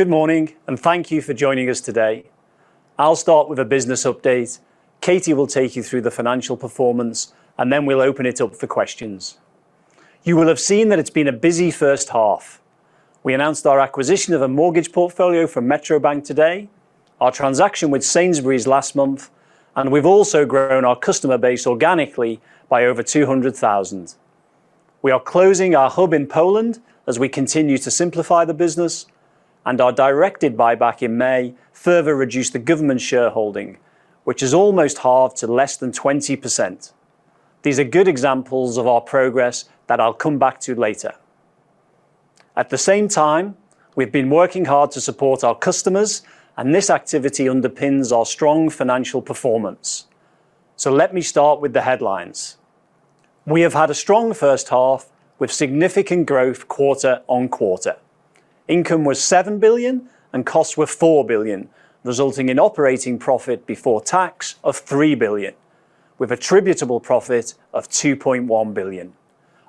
Good morning, and thank you for joining us today. I'll start with a business update, Katie will take you through the financial performance, and then we'll open it up for questions. You will have seen that it's been a busy first half. We announced our acquisition of a mortgage portfolio from Metro Bank today, our transaction with Sainsbury's last month, and we've also grown our customer base organically by over 200,000. We are closing our hub in Poland as we continue to simplify the business, and our directed buyback in May further reduced the government shareholding, which is almost half to less than 20%. These are good examples of our progress that I'll come back to later. At the same time, we've been working hard to support our customers, and this activity underpins our strong financial performance. So let me start with the headlines. We have had a strong first half, with significant growth quarter-over-quarter. Income was 7 billion and costs were 4 billion, resulting in operating profit before tax of 3 billion, with attributable profit of 2.1 billion.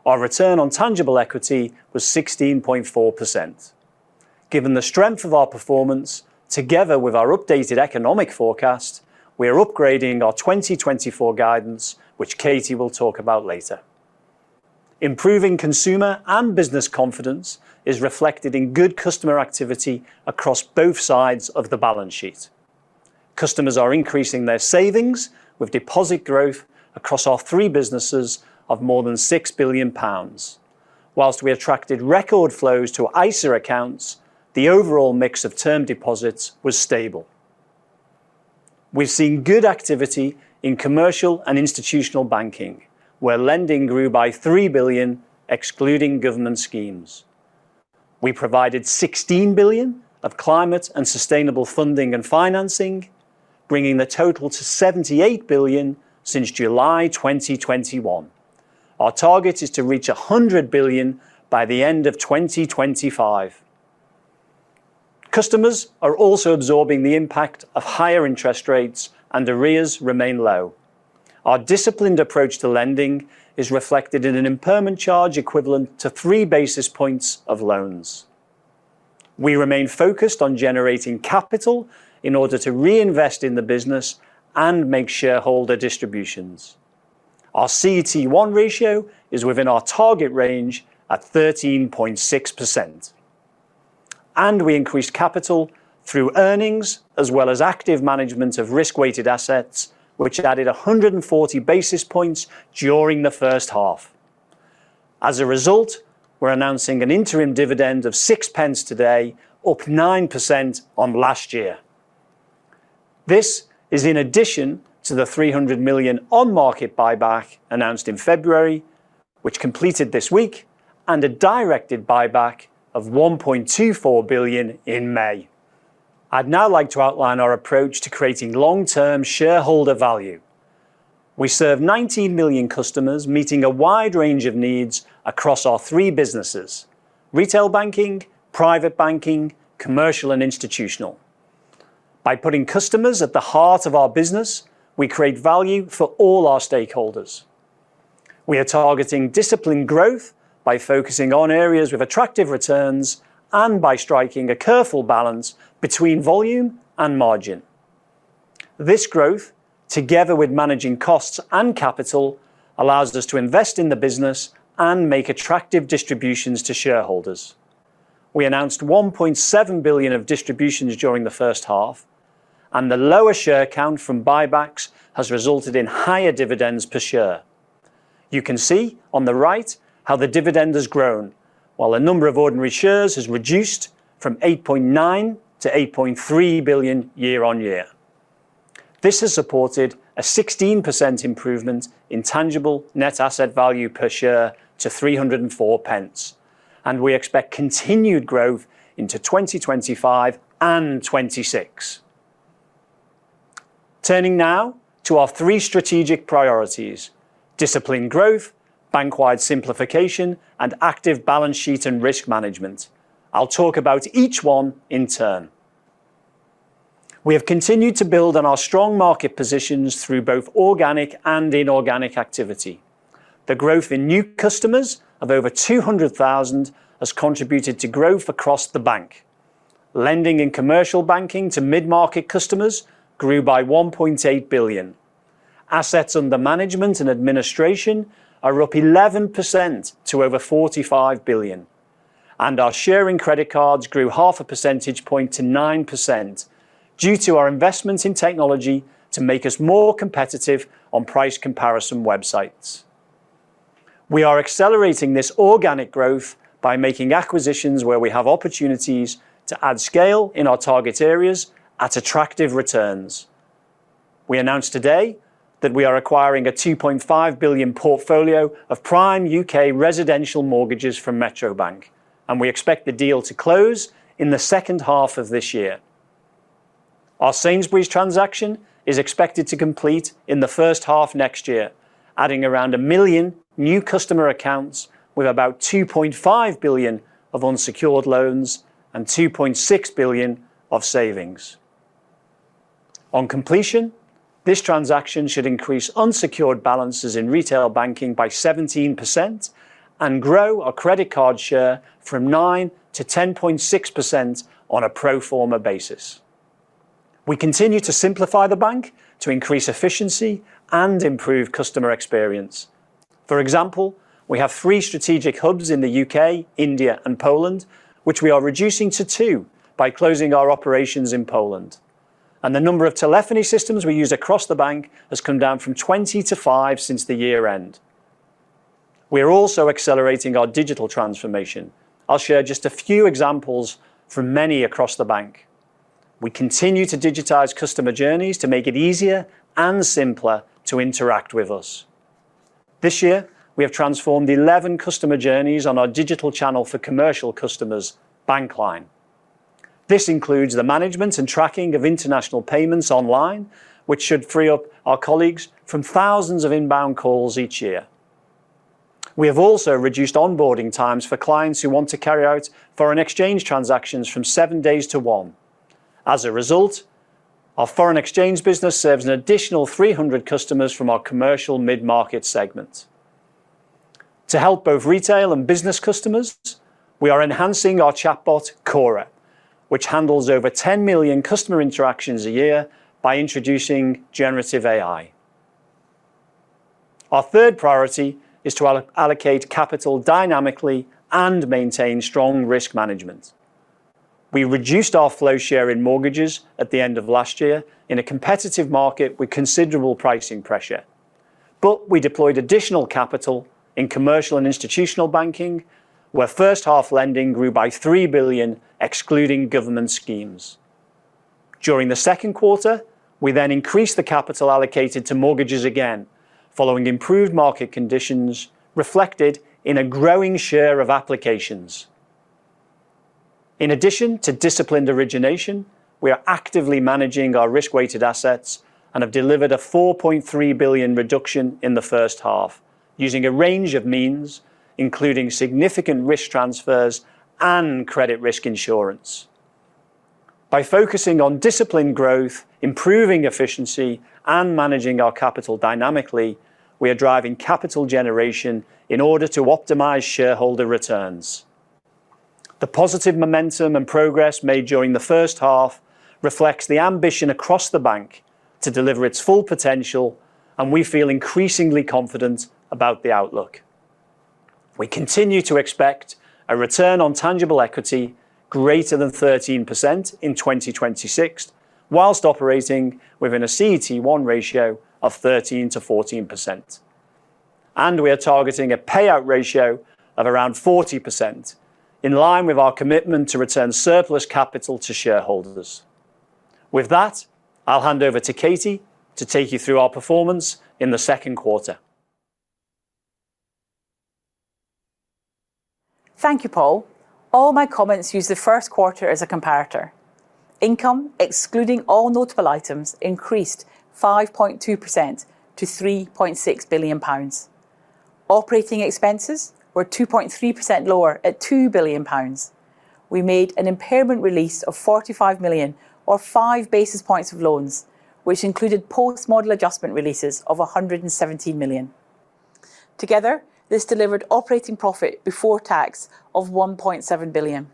Our return on tangible equity was 16.4%. Given the strength of our performance, together with our updated economic forecast, we are upgrading our 2024 guidance, which Katie will talk about later. Improving consumer and business confidence is reflected in good customer activity across both sides of the balance sheet. Customers are increasing their savings, with deposit growth across our three businesses of more than 6 billion pounds. Whilst we attracted record flows to ISA accounts, the overall mix of term deposits was stable. We've seen good activity in commercial and institutional banking, where lending grew by 3 billion, excluding government schemes. We provided 16 billion of climate and sustainable funding and financing, bringing the total to 78 billion since July 2021. Our target is to reach 100 billion by the end of 2025. Customers are also absorbing the impact of higher interest rates, and arrears remain low. Our disciplined approach to lending is reflected in an impairment charge equivalent to 3 basis points of loans. We remain focused on generating capital in order to reinvest in the business and make shareholder distributions. Our CET1 ratio is within our target range at 13.6%. We increased capital through earnings, as well as active management of risk-weighted assets, which added 140 basis points during the first half. As a result, we're announcing an interim dividend of 0.06 today, up 9% on last year. This is in addition to the 300 million on-market buyback announced in February, which completed this week, and a directed buyback of 1.24 billion in May. I'd now like to outline our approach to creating long-term shareholder value. We serve 19 million customers, meeting a wide range of needs across our three businesses: retail banking, private banking, commercial and institutional. By putting customers at the heart of our business, we create value for all our stakeholders. We are targeting disciplined growth by focusing on areas with attractive returns and by striking a careful balance between volume and margin. This growth, together with managing costs and capital, allows us to invest in the business and make attractive distributions to shareholders. We announced 1.7 billion of distributions during the first half, and the lower share count from buybacks has resulted in higher dividends per share. You can see on the right how the dividend has grown, while the number of ordinary shares has reduced from 8.9 billion to 8.3 billion year-on-year. This has supported a 16% improvement in tangible net asset value per share to 3.04, and we expect continued growth into 2025 and 2026. Turning now to our three strategic priorities: disciplined growth, group-wide simplification, and active balance sheet and risk management. I'll talk about each one in turn. We have continued to build on our strong market positions through both organic and inorganic activity. The growth in new customers of over 200,000 has contributed to growth across the bank. Lending in commercial banking to mid-market customers grew by 1.8 billion. Assets under management and administration are up 11% to over 45 billion, and our share in credit cards grew 0.5 percentage points to 9%, due to our investment in technology to make us more competitive on price comparison websites. We are accelerating this organic growth by making acquisitions where we have opportunities to add scale in our target areas at attractive returns. We announced today that we are acquiring a 2.5 billion portfolio of prime U.K. residential mortgages from Metro Bank, and we expect the deal to close in the second half of this year. Our Sainsbury's transaction is expected to complete in the first half next year, adding around 1 million new customer accounts with about 2.5 billion of unsecured loans and 2.6 billion of savings.... On completion, this transaction should increase unsecured balances in retail banking by 17% and grow our credit card share from 9% to 10.6% on a pro forma basis. We continue to simplify the bank to increase efficiency and improve customer experience. For example, we have three strategic hubs in the U.K., India, and Poland, which we are reducing to two by closing our operations in Poland. The number of telephony systems we use across the bank has come down from 20 to five since the year end. We are also accelerating our digital transformation. I'll share just a few examples from many across the bank. We continue to digitize customer journeys to make it easier and simpler to interact with us. This year, we have transformed 11 customer journeys on our digital channel for commercial customers, Bankline. This includes the management and tracking of international payments online, which should free up our colleagues from thousands of inbound calls each year. We have also reduced onboarding times for clients who want to carry out foreign exchange transactions from seven days to one. As a result, our foreign exchange business serves an additional 300 customers from our commercial mid-market segment. To help both retail and business customers, we are enhancing our chatbot, Cora, which handles over 10 million customer interactions a year, by introducing generative AI. Our third priority is to allocate capital dynamically and maintain strong risk management. We reduced our flow share in mortgages at the end of last year in a competitive market with considerable pricing pressure. But we deployed additional capital in commercial and institutional banking, where first half lending grew by 3 billion, excluding government schemes. During the second quarter, we then increased the capital allocated to mortgages again, following improved market conditions, reflected in a growing share of applications. In addition to disciplined origination, we are actively managing our risk-weighted assets and have delivered a 4.3 billion reduction in the first half, using a range of means, including significant risk transfers and credit risk insurance. By focusing on disciplined growth, improving efficiency, and managing our capital dynamically, we are driving capital generation in order to optimize shareholder returns. The positive momentum and progress made during the first half reflects the ambition across the bank to deliver its full potential, and we feel increasingly confident about the outlook. We continue to expect a return on tangible equity greater than 13% in 2026, while operating within a CET1 ratio of 13%-14%. We are targeting a payout ratio of around 40%, in line with our commitment to return surplus capital to shareholders. With that, I'll hand over to Katie to take you through our performance in the second quarter. Thank you, Paul. All my comments use the first quarter as a comparator. Income, excluding all notable items, increased 5.2% to 3.6 billion pounds. Operating expenses were 2.3% lower at 2 billion pounds. We made an impairment release of 45 million, or 5 basis points of loans, which included post-model adjustment releases of 117 million. Together, this delivered operating profit before tax of 1.7 billion.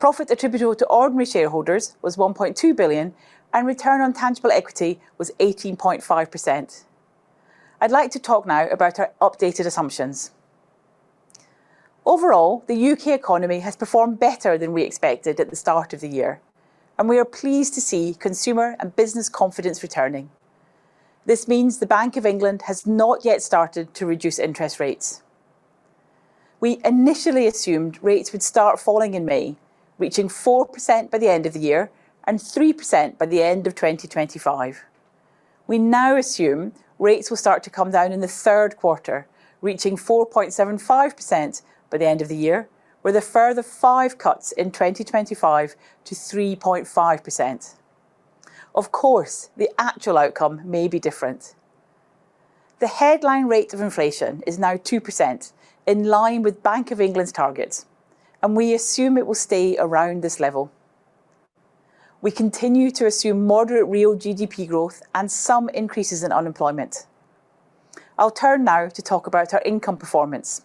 Profit attributable to ordinary shareholders was 1.2 billion, and return on tangible equity was 18.5%. I'd like to talk now about our updated assumptions. Overall, the U.K. economy has performed better than we expected at the start of the year, and we are pleased to see consumer and business confidence returning. This means the Bank of England has not yet started to reduce interest rates. We initially assumed rates would start falling in May, reaching 4% by the end of the year and 3% by the end of 2025. We now assume rates will start to come down in the third quarter, reaching 4.75% by the end of the year, with a further five cuts in 2025 to 3.5%. Of course, the actual outcome may be different. The headline rate of inflation is now 2%, in line with Bank of England's targets, and we assume it will stay around this level. We continue to assume moderate real GDP growth and some increases in unemployment. I'll turn now to talk about our income performance.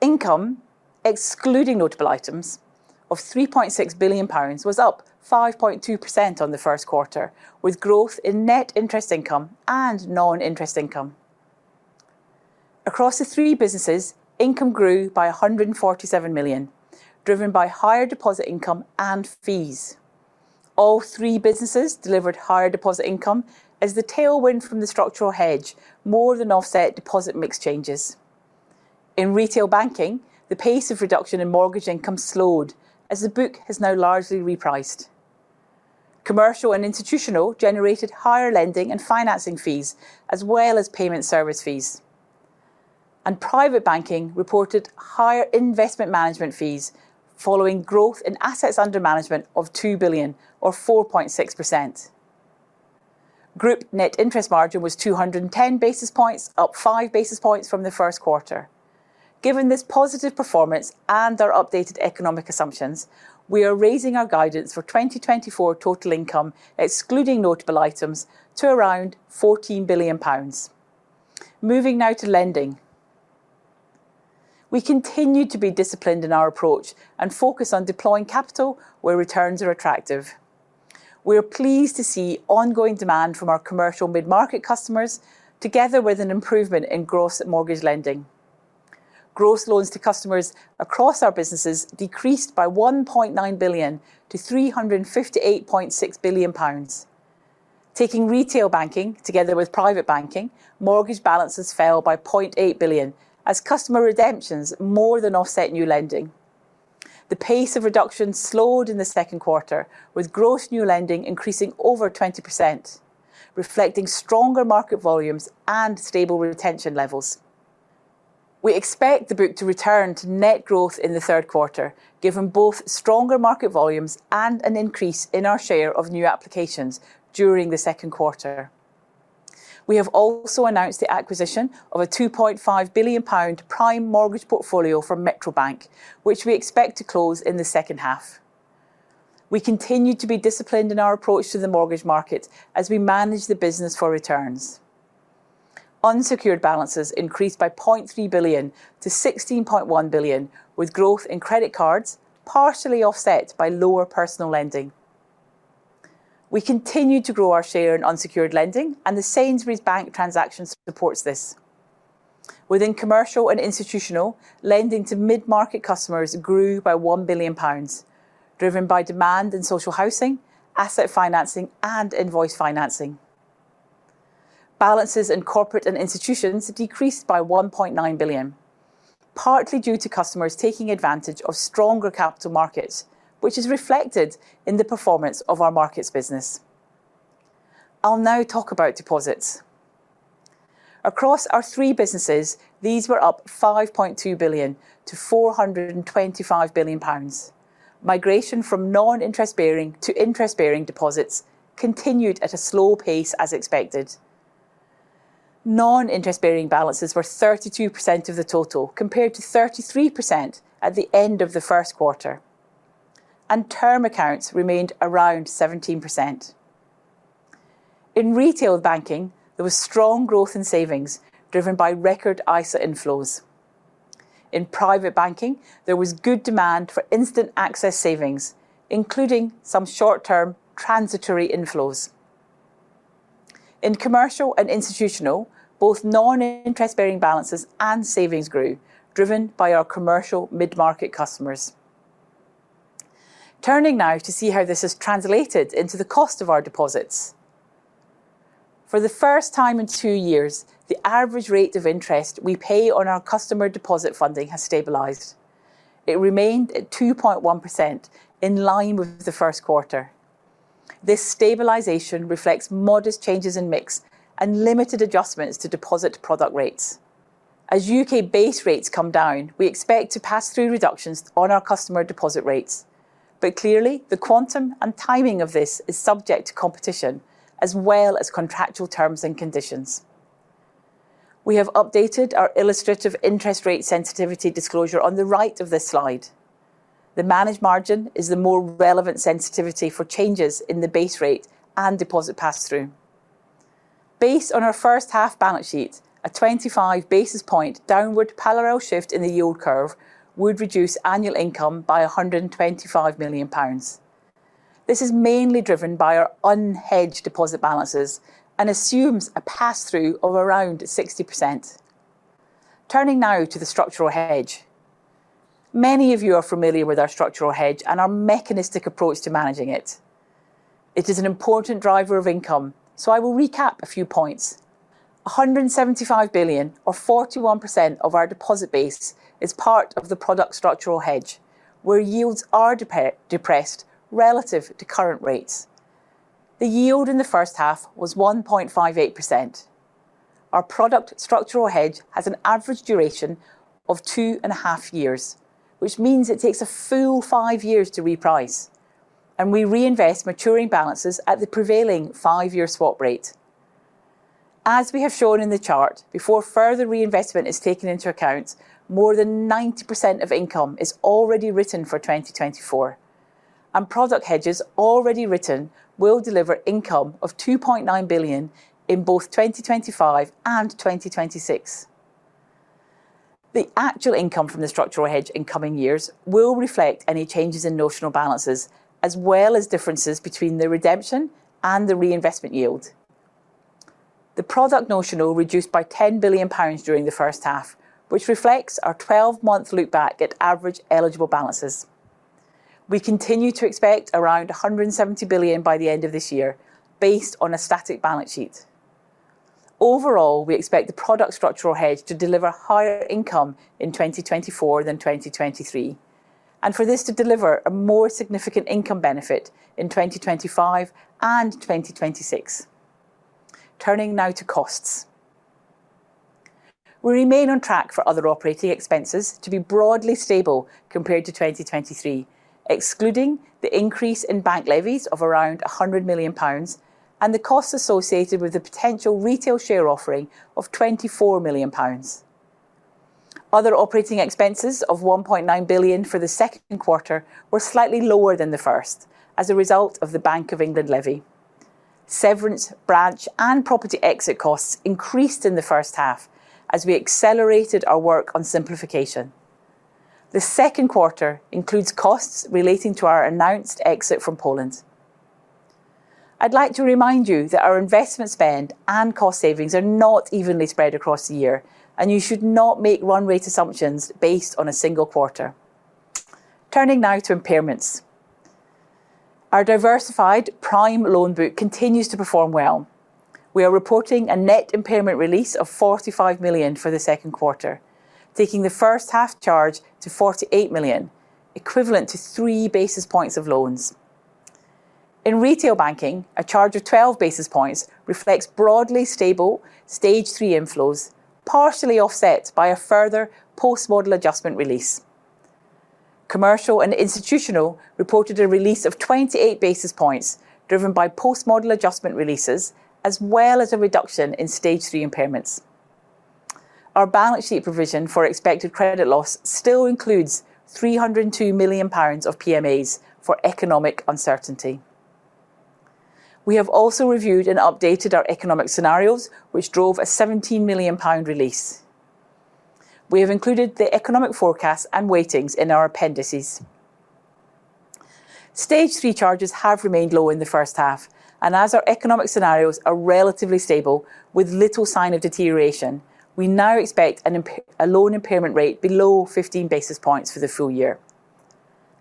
Income, excluding notable items, of 3.6 billion pounds was up 5.2% on the first quarter, with growth in net interest income and non-interest income. Across the three businesses, income grew by 147 million, driven by higher deposit income and fees. All three businesses delivered higher deposit income as the tailwind from the structural hedge more than offset deposit mix changes. In retail banking, the pace of reduction in mortgage income slowed as the book has now largely repriced. Commercial and institutional generated higher lending and financing fees, as well as payment service fees. Private banking reported higher investment management fees, following growth in assets under management of 2 billion or 4.6%. Group net interest margin was 210 basis points, up 5 basis points from the first quarter. Given this positive performance and our updated economic assumptions, we are raising our guidance for 2024 total income, excluding notable items, to around 14 billion pounds. Moving now to lending. We continue to be disciplined in our approach and focus on deploying capital where returns are attractive. We are pleased to see ongoing demand from our commercial mid-market customers, together with an improvement in gross mortgage lending. Gross loans to customers across our businesses decreased by 1.9 billion to 358.6 billion pounds. Taking retail banking together with private banking, mortgage balances fell by 0.8 billion as customer redemptions more than offset new lending. The pace of reduction slowed in the second quarter, with gross new lending increasing over 20%, reflecting stronger market volumes and stable retention levels. We expect the group to return to net growth in the third quarter, given both stronger market volumes and an increase in our share of new applications during the second quarter. We have also announced the acquisition of a 2.5 billion pound prime mortgage portfolio from Metro Bank, which we expect to close in the second half. We continue to be disciplined in our approach to the mortgage market as we manage the business for returns. Unsecured balances increased by 0.3 billion to 16.1 billion, with growth in credit cards partially offset by lower personal lending. We continue to grow our share in unsecured lending, and the Sainsbury's Bank transaction supports this. Within commercial and institutional, lending to mid-market customers grew by 1 billion pounds, driven by demand in social housing, asset financing, and invoice financing. Balances in corporate and institutions decreased by 1.9 billion, partly due to customers taking advantage of stronger capital markets, which is reflected in the performance of our markets business. I'll now talk about deposits. Across our three businesses, these were up 5.2 billion to 425 billion pounds. Migration from non-interest bearing to interest-bearing deposits continued at a slow pace, as expected. Non-interest-bearing balances were 32% of the total, compared to 33% at the end of the first quarter, and term accounts remained around 17%. In retail banking, there was strong growth in savings, driven by record ISA inflows. In private banking, there was good demand for instant access savings, including some short-term transitory inflows. In commercial and institutional, both non-interest-bearing balances and savings grew, driven by our commercial mid-market customers. Turning now to see how this has translated into the cost of our deposits. For the first time in two years, the average rate of interest we pay on our customer deposit funding has stabilized. It remained at 2.1%, in line with the first quarter. This stabilization reflects modest changes in mix and limited adjustments to deposit product rates. As U.K. base rates come down, we expect to pass through reductions on our customer deposit rates, but clearly, the quantum and timing of this is subject to competition as well as contractual terms and conditions. We have updated our illustrative interest rate sensitivity disclosure on the right of this slide. The managed margin is the more relevant sensitivity for changes in the base rate and deposit pass-through. Based on our first half balance sheet, a 25 basis points downward parallel shift in the yield curve would reduce annual income by 125 million pounds. This is mainly driven by our unhedged deposit balances and assumes a pass-through of around 60%. Turning now to the structural hedge. Many of you are familiar with our structural hedge and our mechanistic approach to managing it. It is an important driver of income, so I will recap a few points. 175 billion, or 41%, of our deposit base is part of the product structural hedge, where yields are depressed relative to current rates. The yield in the first half was 1.58%. Our product structural hedge has an average duration of two and a half years, which means it takes a full five years to reprice, and we reinvest maturing balances at the prevailing five-year swap rate. As we have shown in the chart, before further reinvestment is taken into account, more than 90% of income is already written for 2024, and product hedges already written will deliver income of 2.9 billion in both 2025 and 2026. The actual income from the structural hedge in coming years will reflect any changes in notional balances, as well as differences between the redemption and the reinvestment yield. The product notional reduced by 10 billion pounds during the first half, which reflects our 12-month look-back at average eligible balances. We continue to expect around 170 billion by the end of this year, based on a static balance sheet. Overall, we expect the product structural hedge to deliver higher income in 2024 than 2023, and for this to deliver a more significant income benefit in 2025 and 2026. Turning now to costs. We remain on track for other operating expenses to be broadly stable compared to 2023, excluding the increase in bank levies of around 100 million pounds, and the costs associated with the potential retail share offering of 24 million pounds. Other operating expenses of 1.9 billion for the second quarter were slightly lower than the first, as a result of the Bank of England levy. Severance, branch, and property exit costs increased in the first half as we accelerated our work on simplification. The second quarter includes costs relating to our announced exit from Poland. I'd like to remind you that our investment spend and cost savings are not evenly spread across the year, and you should not make run rate assumptions based on a single quarter. Turning now to impairments. Our diversified prime loan book continues to perform well. We are reporting a net impairment release of 45 million for the second quarter, taking the first half charge to 48 million, equivalent to 3 basis points of loans. In retail banking, a charge of 12 basis points reflects broadly stable stage 3 inflows, partially offset by a further post-model adjustment release. Commercial and institutional reported a release of 28 basis points, driven by post-model adjustment releases, as well as a reduction in stage 3 impairments. Our balance sheet provision for expected credit loss still includes 302 million pounds of PMAs for economic uncertainty. We have also reviewed and updated our economic scenarios, which drove a 17 million pound release. We have included the economic forecast and weightings in our appendices. Stage 3 charges have remained low in the first half, and as our economic scenarios are relatively stable with little sign of deterioration, we now expect a loan impairment rate below 15 basis points for the full year.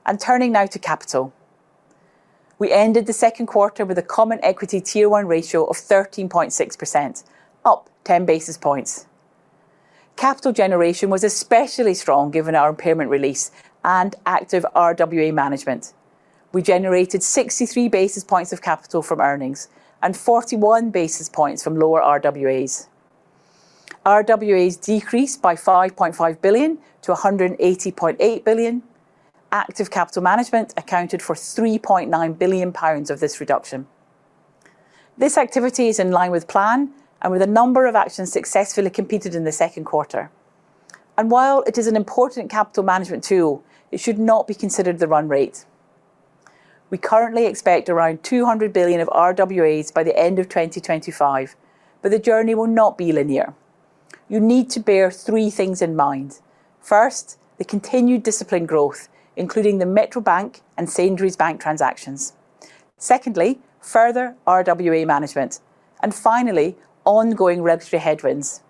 And turning now to capital. We ended the second quarter with a Common Equity Tier 1 ratio of 13.6%, up 10 basis points. Capital generation was especially strong, given our impairment release and active RWA management. We generated 63 basis points of capital from earnings and 41 basis points from lower RWAs. RWAs decreased by 5.5 billion to 180.8 billion. Active capital management accounted for 3.9 billion pounds of this reduction. This activity is in line with plan and with a number of actions successfully completed in the second quarter. While it is an important capital management tool, it should not be considered the run rate. We currently expect around 200 billion of RWAs by the end of 2025, but the journey will not be linear. You need to bear three things in mind. First, the continued disciplined growth, including the Metro Bank and Sainsbury's Bank transactions. Secondly, further RWA management. And finally, ongoing regulatory headwinds.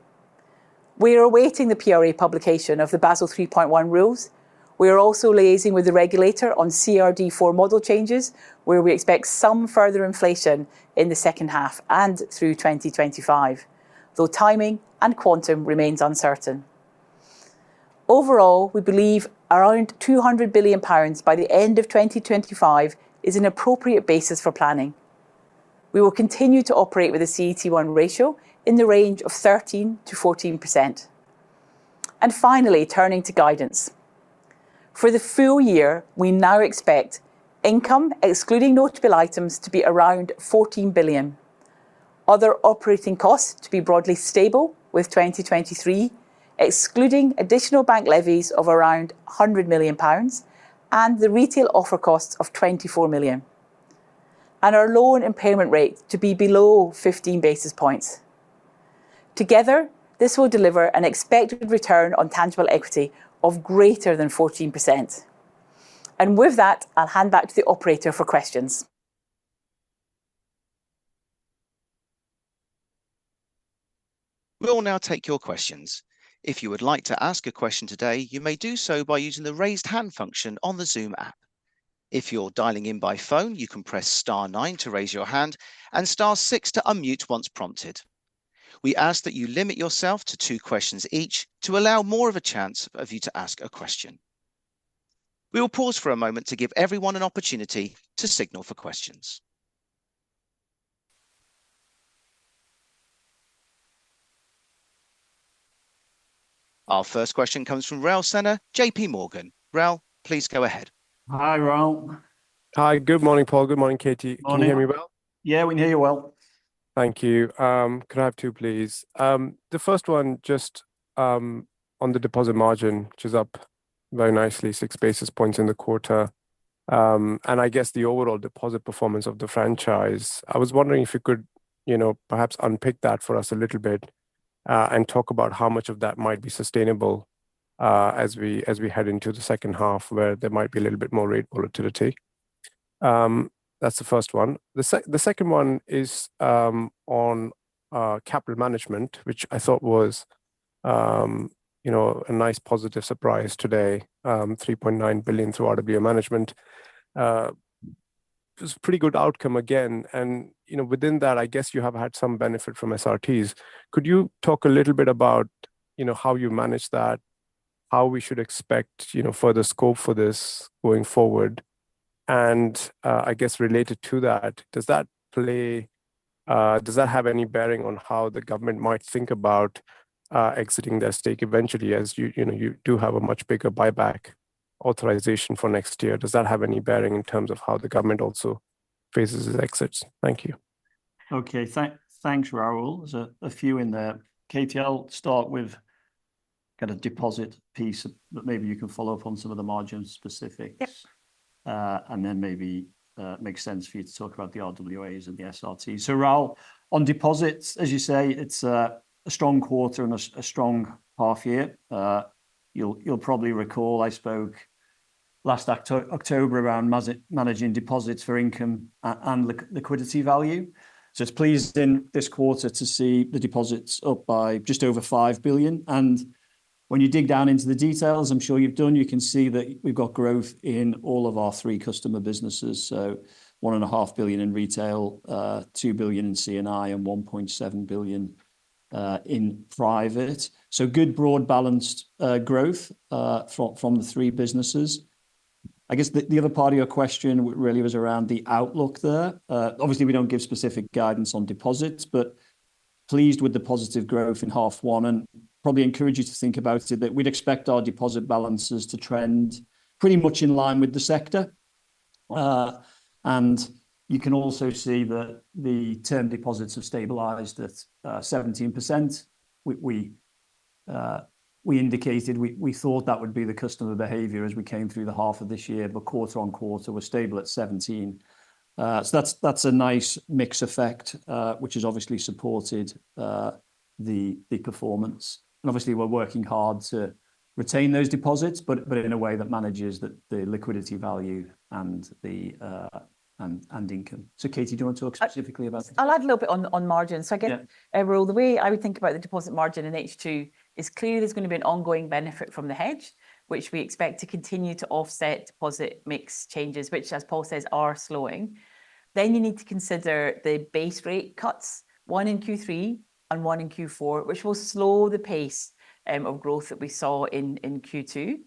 We are awaiting the PRA publication of the Basel 3.1 rules. We are also liaising with the regulator on CRD IV model changes, where we expect some further inflation in the second half and through 2025, though timing and quantum remains uncertain. Overall, we believe around 200 billion pounds by the end of 2025 is an appropriate basis for planning. We will continue to operate with a CET1 ratio in the range of 13%-14%. And finally, turning to guidance. For the full year, we now expect income, excluding notable items, to be around 14 billion. Other operating costs to be broadly stable with 2023, excluding additional bank levies of around 100 million pounds, and the retail offer costs of 24 million, and our loan impairment rate to be below 15 basis points. Together, this will deliver an expected return on tangible equity of greater than 14%. And with that, I'll hand back to the operator for questions. We will now take your questions. If you would like to ask a question today, you may do so by using the Raise Hand function on the Zoom app. If you're dialing in by phone, you can press star nine to raise your hand and star six to unmute once prompted. We ask that you limit yourself to two questions each to allow more of a chance of you to ask a question. We will pause for a moment to give everyone an opportunity to signal for questions. Our first question comes from Rahul Sinha, JPMorgan. Rahul, please go ahead. Hi, Rahul. Hi. Good morning, Paul. Good morning, Katie. Morning. Can you hear me well? Yeah, we can hear you well. Thank you. Could I have two, please? The first one, just on the deposit margin, which is up very nicely, 6 basis points in the quarter. And I guess the overall deposit performance of the franchise. I was wondering if you could, you know, perhaps unpick that for us a little bit, and talk about how much of that might be sustainable, as we head into the second half, where there might be a little bit more rate volatility. That's the first one. The second one is on capital management, which I thought was, you know, a nice positive surprise today, 3.9 billion through RWA management. It was a pretty good outcome again, and, you know, within that, I guess you have had some benefit from SRTs. Could you talk a little bit about, you know, how you managed that? How we should expect, you know, further scope for this going forward? And, I guess related to that, does that play, does that have any bearing on how the government might think about, exiting their stake eventually, as you know, you do have a much bigger buyback authorization for next year? Does that have any bearing in terms of how the government also faces its exits? Thank you. Okay, thanks, Rahul. There's a few in there. Katie, I'll start with kind of deposit piece, but maybe you can follow up on some of the margin specifics. Yep. And then maybe makes sense for you to talk about the RWAs and the SRT. So Rahul, on deposits, as you say, it's a strong quarter and a strong half year. You'll probably recall, I spoke last October around managing deposits for income and liquidity value. So it's pleased in this quarter to see the deposits up by just over 5 billion, and when you dig down into the details, I'm sure you've done, you can see that we've got growth in all of our three customer businesses. So 1.5 billion in retail, 2 billion in C&I, and 1.7 billion in private. So good, broad, balanced growth from the three businesses. I guess the other part of your question really was around the outlook there. Obviously, we don't give specific guidance on deposits, but pleased with the positive growth in half one, and probably encourage you to think about it, that we'd expect our deposit balances to trend pretty much in line with the sector. And you can also see that the term deposits have stabilized at 17%. We indicated we thought that would be the customer behavior as we came through the half of this year, but quarter-on-quarter, we're stable at 17. So that's a nice mix effect, which has obviously supported the performance. And obviously, we're working hard to retain those deposits, but in a way that manages the liquidity value and the income. So, Katie, do you want to talk specifically about the- I'll add a little bit on margins. Yeah. So I guess, overall, the way I would think about the deposit margin in H2 is clearly there's going to be an ongoing benefit from the hedge, which we expect to continue to offset deposit mix changes, which, as Paul says, are slowing. Then you need to consider the base rate cuts, one in Q3 and one in Q4, which will slow the pace of growth that we saw in Q2.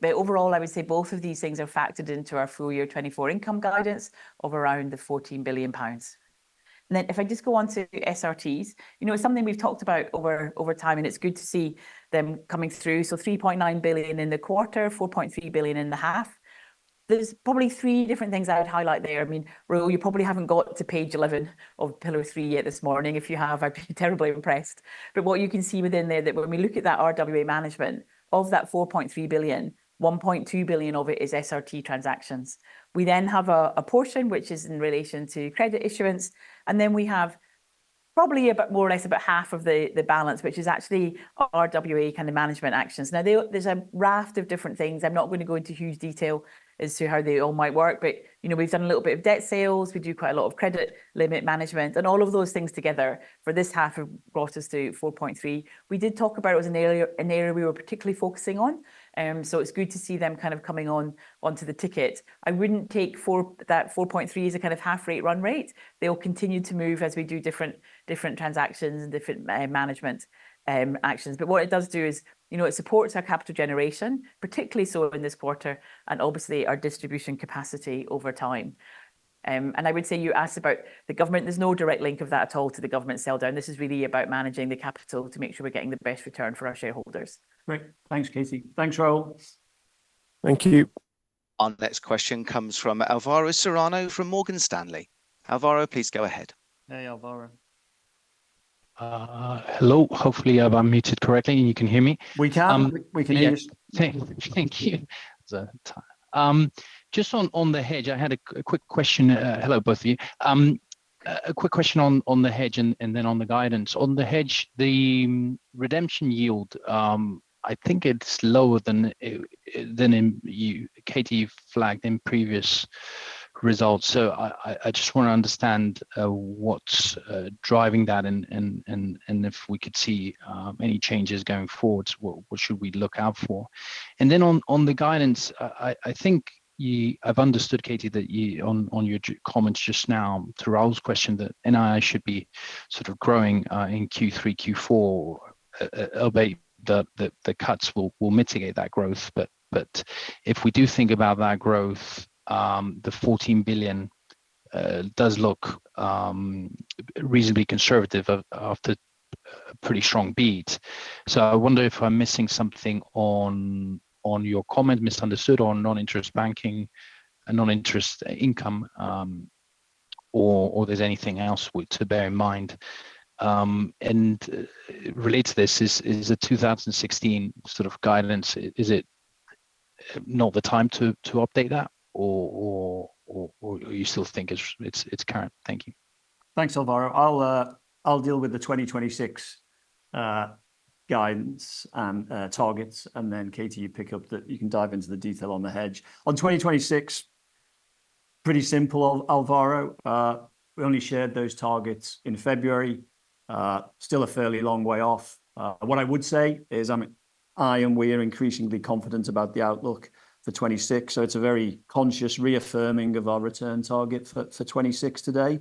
But overall, I would say both of these things are factored into our full year 2024 income guidance of around the 14 billion pounds. And then if I just go on to SRTs, you know, it's something we've talked about over time, and it's good to see them coming through. So 3.9 billion in the quarter, 4.3 billion in the half. There's probably three different things I would highlight there. I mean, Rahul, you probably haven't got to page 11 of Pillar 3 yet this morning. If you have, I'd be terribly impressed. But what you can see within there, that when we look at that RWA management, of that 4.3 billion, 1.2 billion of it is SRT transactions. We then have a portion which is in relation to credit issuance, and then we have probably about more or less about half of the balance, which is actually RWA kind of management actions. Now, there's a raft of different things. I'm not gonna go into huge detail as to how they all might work, but, you know, we've done a little bit of debt sales. We do quite a lot of credit limit management, and all of those things together for this half have brought us to 4.3 billion. We did talk about it. It was an area, an area we were particularly focusing on, so it's good to see them kind of coming on, onto the ticket. I wouldn't take that 4.3 as a kind of half rate run rate. They'll continue to move as we do different transactions and different management actions. But what it does do is, you know, it supports our capital generation, particularly so in this quarter, and obviously, our distribution capacity over time. And I would say you asked about the government. There's no direct link of that at all to the government sell-down. This is really about managing the capital to make sure we're getting the best return for our shareholders. Great. Thanks, Katie. Thanks, Rahul. Thank you. Our next question comes from Alvaro Serrano from Morgan Stanley. Alvaro, please go ahead. Hey, Alvaro. Hello. Hopefully, I'm unmuted correctly and you can hear me. We can. We can hear you. Thank you. Just on the hedge, I had a quick question. Hello, both of you. A quick question on the hedge and then on the guidance. On the hedge, the redemption yield, I think it's lower than when you, Katie, you flagged in previous results, so I just want to understand, what's driving that, and if we could see any changes going forward, what should we look out for? And then on the guidance, I think you-- I've understood, Katie, that you, on your comments just now, to Rahul's question, that NII should be sort of growing in Q3, Q4. Albeit the cuts will mitigate that growth, but if we do think about that growth, the 14 billion does look reasonably conservative off, after a pretty strong beat. So I wonder if I'm missing something on your comment, misunderstood on non-interest banking and non-interest income, or there's anything else we to bear in mind. And related to this, is the 2016 sort of guidance, is it not the time to update that, or you still think it's current? Thank you. Thanks, Alvaro. I'll, I'll deal with the 2026 guidance and targets, and then Katie, you pick up the... You can dive into the detail on the hedge. On 2026, pretty simple, Alvaro. We only shared those targets in February. Still a fairly long way off. What I would say is, I and we are increasingly confident about the outlook for 2026, so it's a very conscious reaffirming of our return target for 2026 today.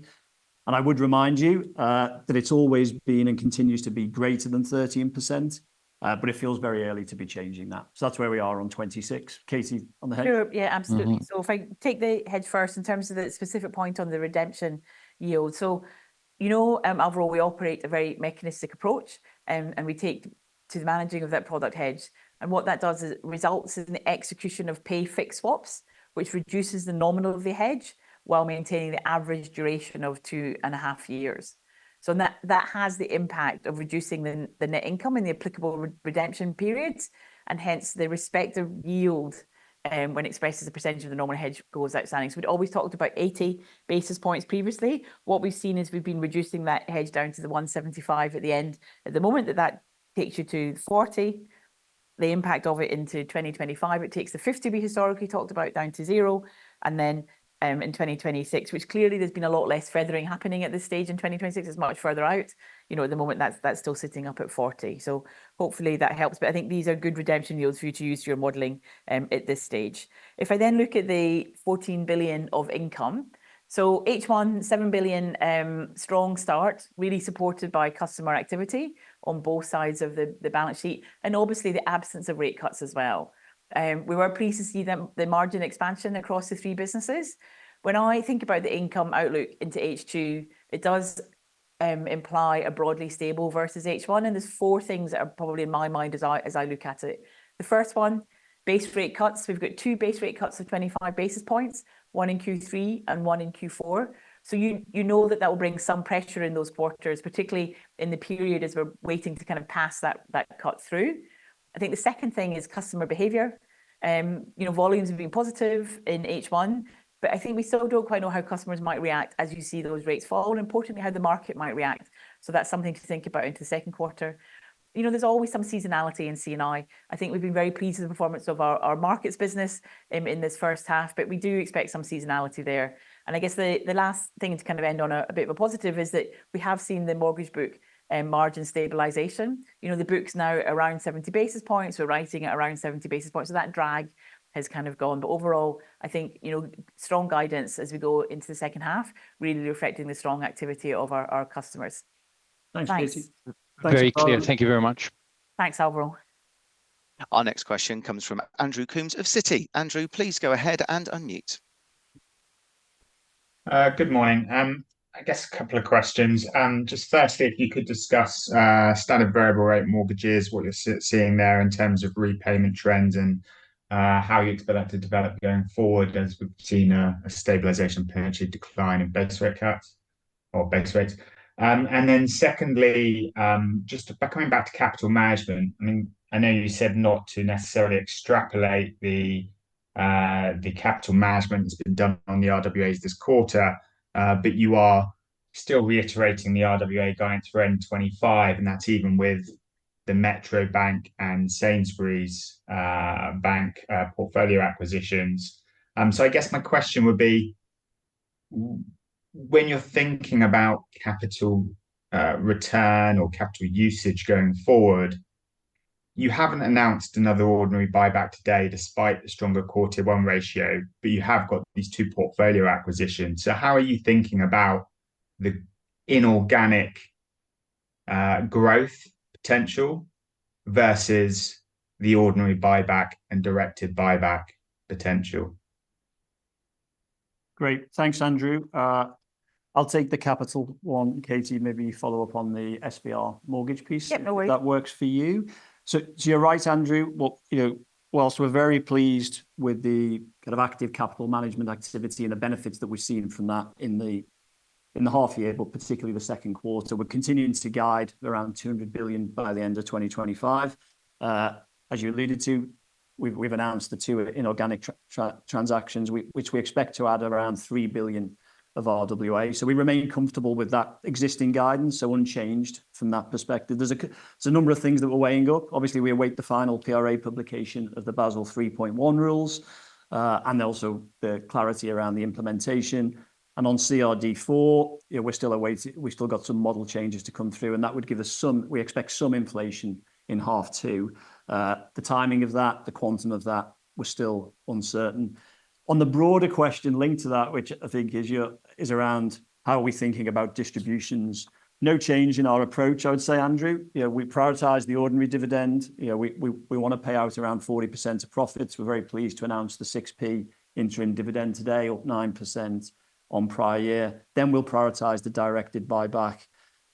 And I would remind you that it's always been and continues to be greater than 13%, but it feels very early to be changing that. So that's where we are on 2026. Katie, on the hedge? Sure, yeah, absolutely. Mm-hmm. So if I take the hedge first in terms of the specific point on the redemption yield. So, you know, Alvaro, we operate a very mechanistic approach, and we take to the managing of that product hedge, and what that does is it results in the execution of pay-fixed swaps, which reduces the nominal of the hedge while maintaining the average duration of two and a half years. So that has the impact of reducing the net income in the applicable redemption periods, and hence, the respective yield, when expressed as a percentage of the nominal hedge gross outstanding. So we'd always talked about 80 basis points previously. What we've seen is we've been reducing that hedge down to the 175 at the end. At the moment, that takes you to 40. The impact of it into 2025, it takes the 50 we historically talked about down to zero, and then, in 2026, which clearly there's been a lot less feathering happening at this stage in 2026. It's much further out. You know, at the moment, that's, that's still sitting up at 40, so hopefully that helps. But I think these are good redemption yields for you to use for your modeling, at this stage. If I then look at the 14 billion of income, so H1, 7 billion, strong start, really supported by customer activity on both sides of the, the balance sheet, and obviously the absence of rate cuts as well. We were pleased to see the, the margin expansion across the three businesses. When I think about the income outlook into H2, it does imply a broadly stable versus H1, and there's four things that are probably in my mind as I look at it. The first one, base rate cuts. We've got two base rate cuts of 25 basis points, one in Q3 and one in Q4. So you know that that will bring some pressure in those quarters, particularly in the period as we're waiting to kind of pass that cut through. I think the second thing is customer behavior. You know, volumes have been positive in H1, but I think we still don't quite know how customers might react as you see those rates fall, and importantly, how the market might react. So that's something to think about into the second quarter. You know, there's always some seasonality in C&I. I think we've been very pleased with the performance of our markets business in this first half, but we do expect some seasonality there. And I guess the last thing to kind of end on a bit of a positive is that we have seen the mortgage book margin stabilization. You know, the book's now around 70 basis points. We're writing at around 70 basis points, so that drag has kind of gone. But overall, I think, you know, strong guidance as we go into the second half, really reflecting the strong activity of our customers. Thanks, Katie. Thanks. Very clear. Thank you very much. Thanks, Alvaro. Our next question comes from Andrew Coombs of Citi. Andrew, please go ahead and unmute. Good morning. I guess a couple of questions. Just firstly, if you could discuss standard variable rate mortgages, what you're seeing there in terms of repayment trends and how you expect that to develop going forward, as we've seen a stabilization potentially decline in base rate cuts or base rates. And then secondly, just coming back to capital management, I mean, I know you said not to necessarily extrapolate the capital management that's been done on the RWAs this quarter, but you are still reiterating the RWA guide through end 2025, and that's even with the Metro Bank and Sainsbury's Bank portfolio acquisitions. So I guess my question would be, when you're thinking about capital, return or capital usage going forward, you haven't announced another ordinary buyback today, despite the stronger quarter one ratio, but you have got these two portfolio acquisitions. So how are you thinking about the inorganic, growth potential versus the ordinary buyback and directed buyback potential? Great. Thanks, Andrew. I'll take the capital one, and Katie, maybe you follow up on the SVR mortgage piece- Yeah, no worries.... if that works for you. So, you're right, Andrew. What... You know, whilst we're very pleased with the kind of active capital management activity and the benefits that we've seen from that in the half year, but particularly the second quarter, we're continuing to guide around 200 billion by the end of 2025. As you alluded to, we've announced the two inorganic transactions, which we expect to add around 3 billion of RWA. So we remain comfortable with that existing guidance, so unchanged from that perspective. There's a number of things that we're weighing up. Obviously, we await the final PRA publication of the Basel 3.1 rules, and also the clarity around the implementation, and on CRD 4, yeah, we're still awaiting... We've still got some model changes to come through, and that would give us some. We expect some inflation in half two. The timing of that, the quantum of that, we're still uncertain. On the broader question linked to that, which I think is around how are we thinking about distributions, no change in our approach, I would say, Andrew. You know, we prioritize the ordinary dividend. You know, we wanna pay out around 40% of profits. We're very pleased to announce the 6p interim dividend today, up 9% on prior year. Then we'll prioritize the Directed buyback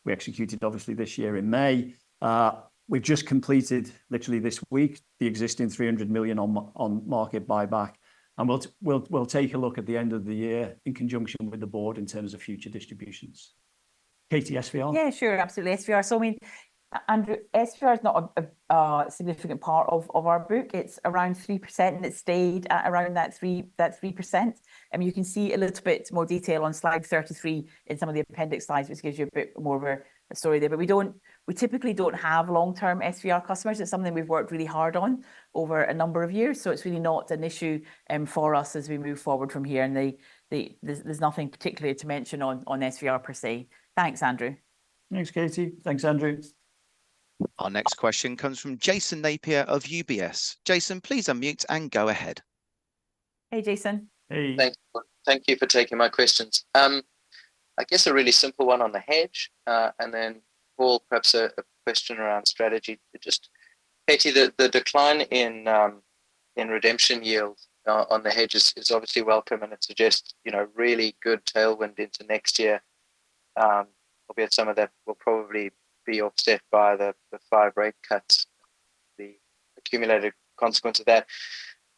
we executed, obviously, this year in May. We've just completed, literally this week, the existing 300 million on-market buyback, and we'll take a look at the end of the year in conjunction with the board in terms of future distributions. Katie, SVR? Yeah, sure. Absolutely, SVR. So, I mean, Andrew, SVR is not a significant part of our book. It's around 3%, and it stayed at around that 3%. And you can see a little bit more detail on slide 33 in some of the appendix slides, which gives you a bit more of a story there. But we don't, we typically don't have long-term SVR customers. It's something we've worked really hard on over a number of years, so it's really not an issue for us as we move forward from here, and there's nothing particularly to mention on SVR per se. Thanks, Andrew. Thanks, Katie. Thanks, Andrew. Our next question comes from Jason Napier of UBS. Jason, please unmute and go ahead.... Hey, Jason. Hey. Thanks. Thank you for taking my questions. I guess a really simple one on the hedge, and then, Paul, perhaps a question around strategy. Just, Katie, the decline in redemption yields on the hedges is obviously welcome, and it suggests, you know, really good tailwind into next year. Albeit some of that will probably be offset by the five rate cuts, the accumulated consequence of that.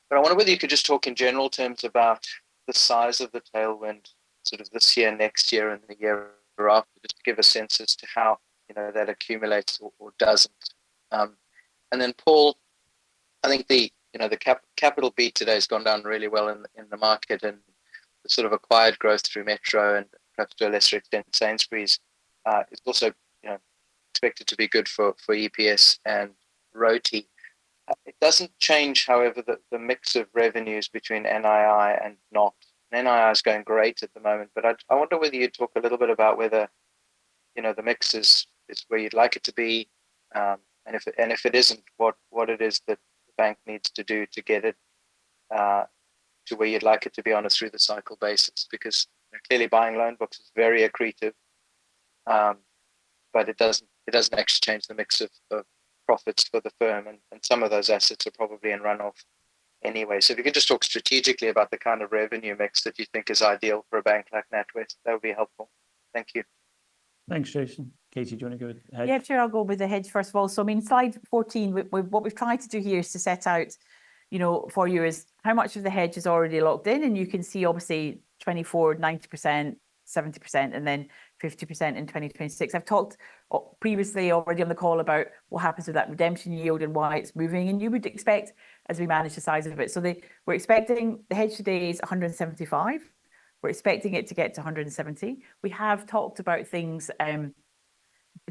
But I wonder whether you could just talk in general terms about the size of the tailwind, sort of this year, next year, and the year after, just to give a sense as to how, you know, that accumulates or doesn't. And then, Paul, I think, you know, the capital B today has gone down really well in the market, and the sort of acquired growth through Metro and perhaps to a lesser extent, Sainsbury's, is also, you know, expected to be good for EPS and ROTE. It doesn't change, however, the mix of revenues between NII and not. NII is going great at the moment, but I wonder whether you'd talk a little bit about whether, you know, the mix is where you'd like it to be. And if it isn't, what it is that the bank needs to do to get it to where you'd like it to be on a through-the-cycle basis. Because, you know, clearly buying loan books is very accretive, but it doesn't actually change the mix of profits for the firm, and some of those assets are probably in runoff anyway. So if you could just talk strategically about the kind of revenue mix that you think is ideal for a bank like NatWest, that would be helpful. Thank you. Thanks, Jason. Katie, do you want to go with the hedge? Yeah, sure. I'll go with the hedge first of all. So, I mean, slide 14, what we've tried to do here is to set out, you know, for you is how much of the hedge is already locked in, and you can see obviously 2024, 90%, 70%, and then 50% in 2026. I've talked previously already on the call about what happens with that redemption yield and why it's moving, and you would expect as we manage the size of it. So the... We're expecting the hedge today is 175. We're expecting it to get to 170. We have talked about things, the,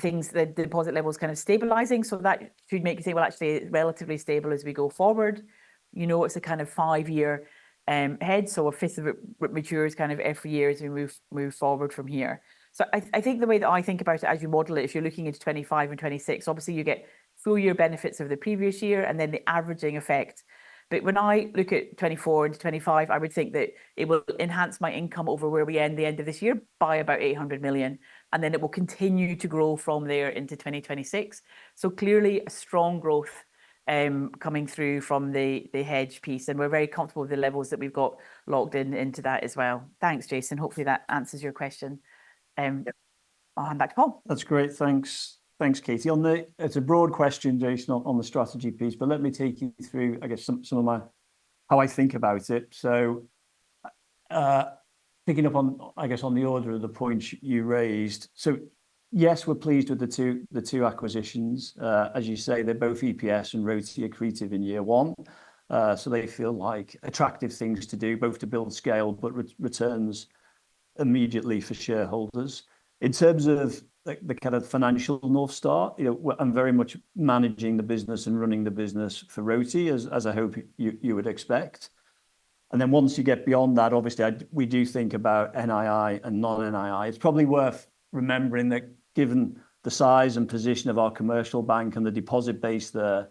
the deposit levels kind of stabilising, so that should make it say, well, actually relatively stable as we go forward. You know, it's a kind of five-year hedge, so a fifth of it matures kind of every year as we move forward from here. So I think the way that I think about it as you model it, if you're looking into 2025 and 2026, obviously, you get full year benefits of the previous year and then the averaging effect. But when I look at 2024 into 2025, I would think that it will enhance my income over where we end of the end of this year by about 800 million, and then it will continue to grow from there into 2026. So clearly a strong growth coming through from the hedge piece, and we're very comfortable with the levels that we've got locked in into that as well. Thanks, Jason. Hopefully, that answers your question. Yep. I'll hand back to Paul. That's great. Thanks. Thanks, Katie. It's a broad question, Jason, on the strategy piece, but let me take you through, I guess, some of my how I think about it. So, picking up on, I guess, on the order of the points you raised. So yes, we're pleased with the two, the two acquisitions. As you say, they're both EPS and ROTE accretive in year one, so they feel like attractive things to do, both to build scale, but returns immediately for shareholders. In terms of the kind of financial North Star, you know, I'm very much managing the business and running the business for ROTE, as I hope you would expect. And then once you get beyond that, obviously, we do think about NII and non-NII. It's probably worth remembering that given the size and position of our commercial bank and the deposit base there,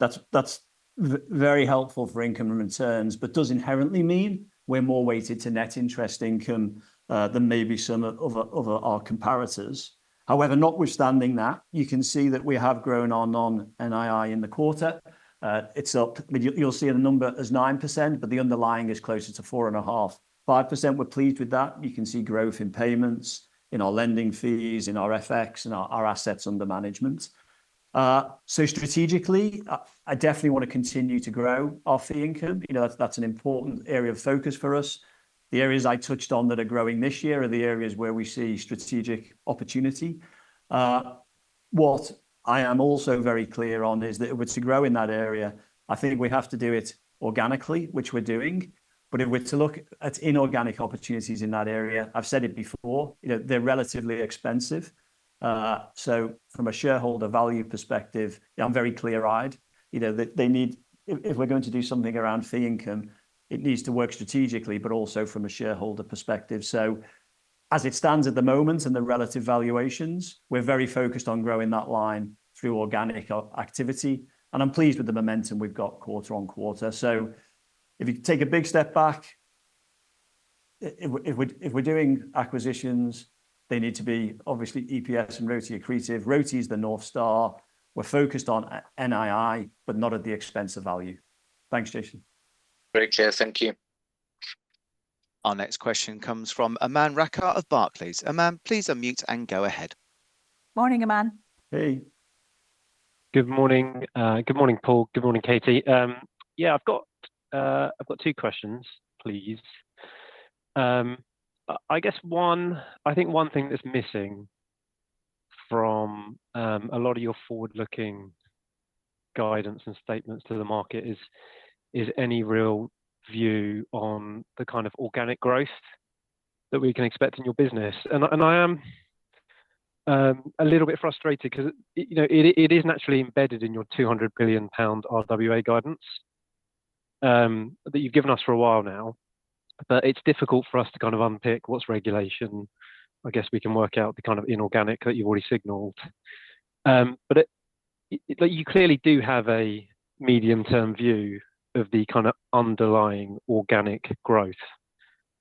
that's very helpful for income and returns, but does inherently mean we're more weighted to net interest income than maybe some of our comparators. However, notwithstanding that, you can see that we have grown our non-NII in the quarter. It's up. You'll see the number as 9%, but the underlying is closer to 4.5%-5%. We're pleased with that. You can see growth in payments, in our lending fees, in our FX, in our assets under management. So strategically, I definitely want to continue to grow our fee income. You know, that's an important area of focus for us. The areas I touched on that are growing this year are the areas where we see strategic opportunity. What I am also very clear on is that if we're to grow in that area, I think we have to do it organically, which we're doing. But if we're to look at inorganic opportunities in that area, I've said it before, you know, they're relatively expensive. So from a shareholder value perspective, I'm very clear-eyed. You know, they, they need... If, if we're going to do something around fee income, it needs to work strategically, but also from a shareholder perspective. So as it stands at the moment and the relative valuations, we're very focused on growing that line through organic activity, and I'm pleased with the momentum we've got quarter on quarter. So if you take a big step back, if we're doing acquisitions, they need to be obviously EPS and ROTE accretive. ROTE is the North Star. We're focused on NII, but not at the expense of value. Thanks, Jason. Very clear. Thank you. Our next question comes from Aman Rakkar of Barclays. Aman, please unmute and go ahead. Morning, Aman. Hey. Good morning. Good morning, Paul. Good morning, Katie. Yeah, I've got two questions, please. I guess one, I think one thing that's missing from a lot of your forward-looking guidance and statements to the market is any real view on the kind of organic growth that we can expect in your business. And I am a little bit frustrated 'cause, you know, it isn't actually embedded in your 200 billion pound RWA guidance that you've given us for a while now, but it's difficult for us to kind of unpick what's regulation. I guess we can work out the kind of inorganic that you've already signaled. But it, like, you clearly do have a medium-term view of the kind of underlying organic growth,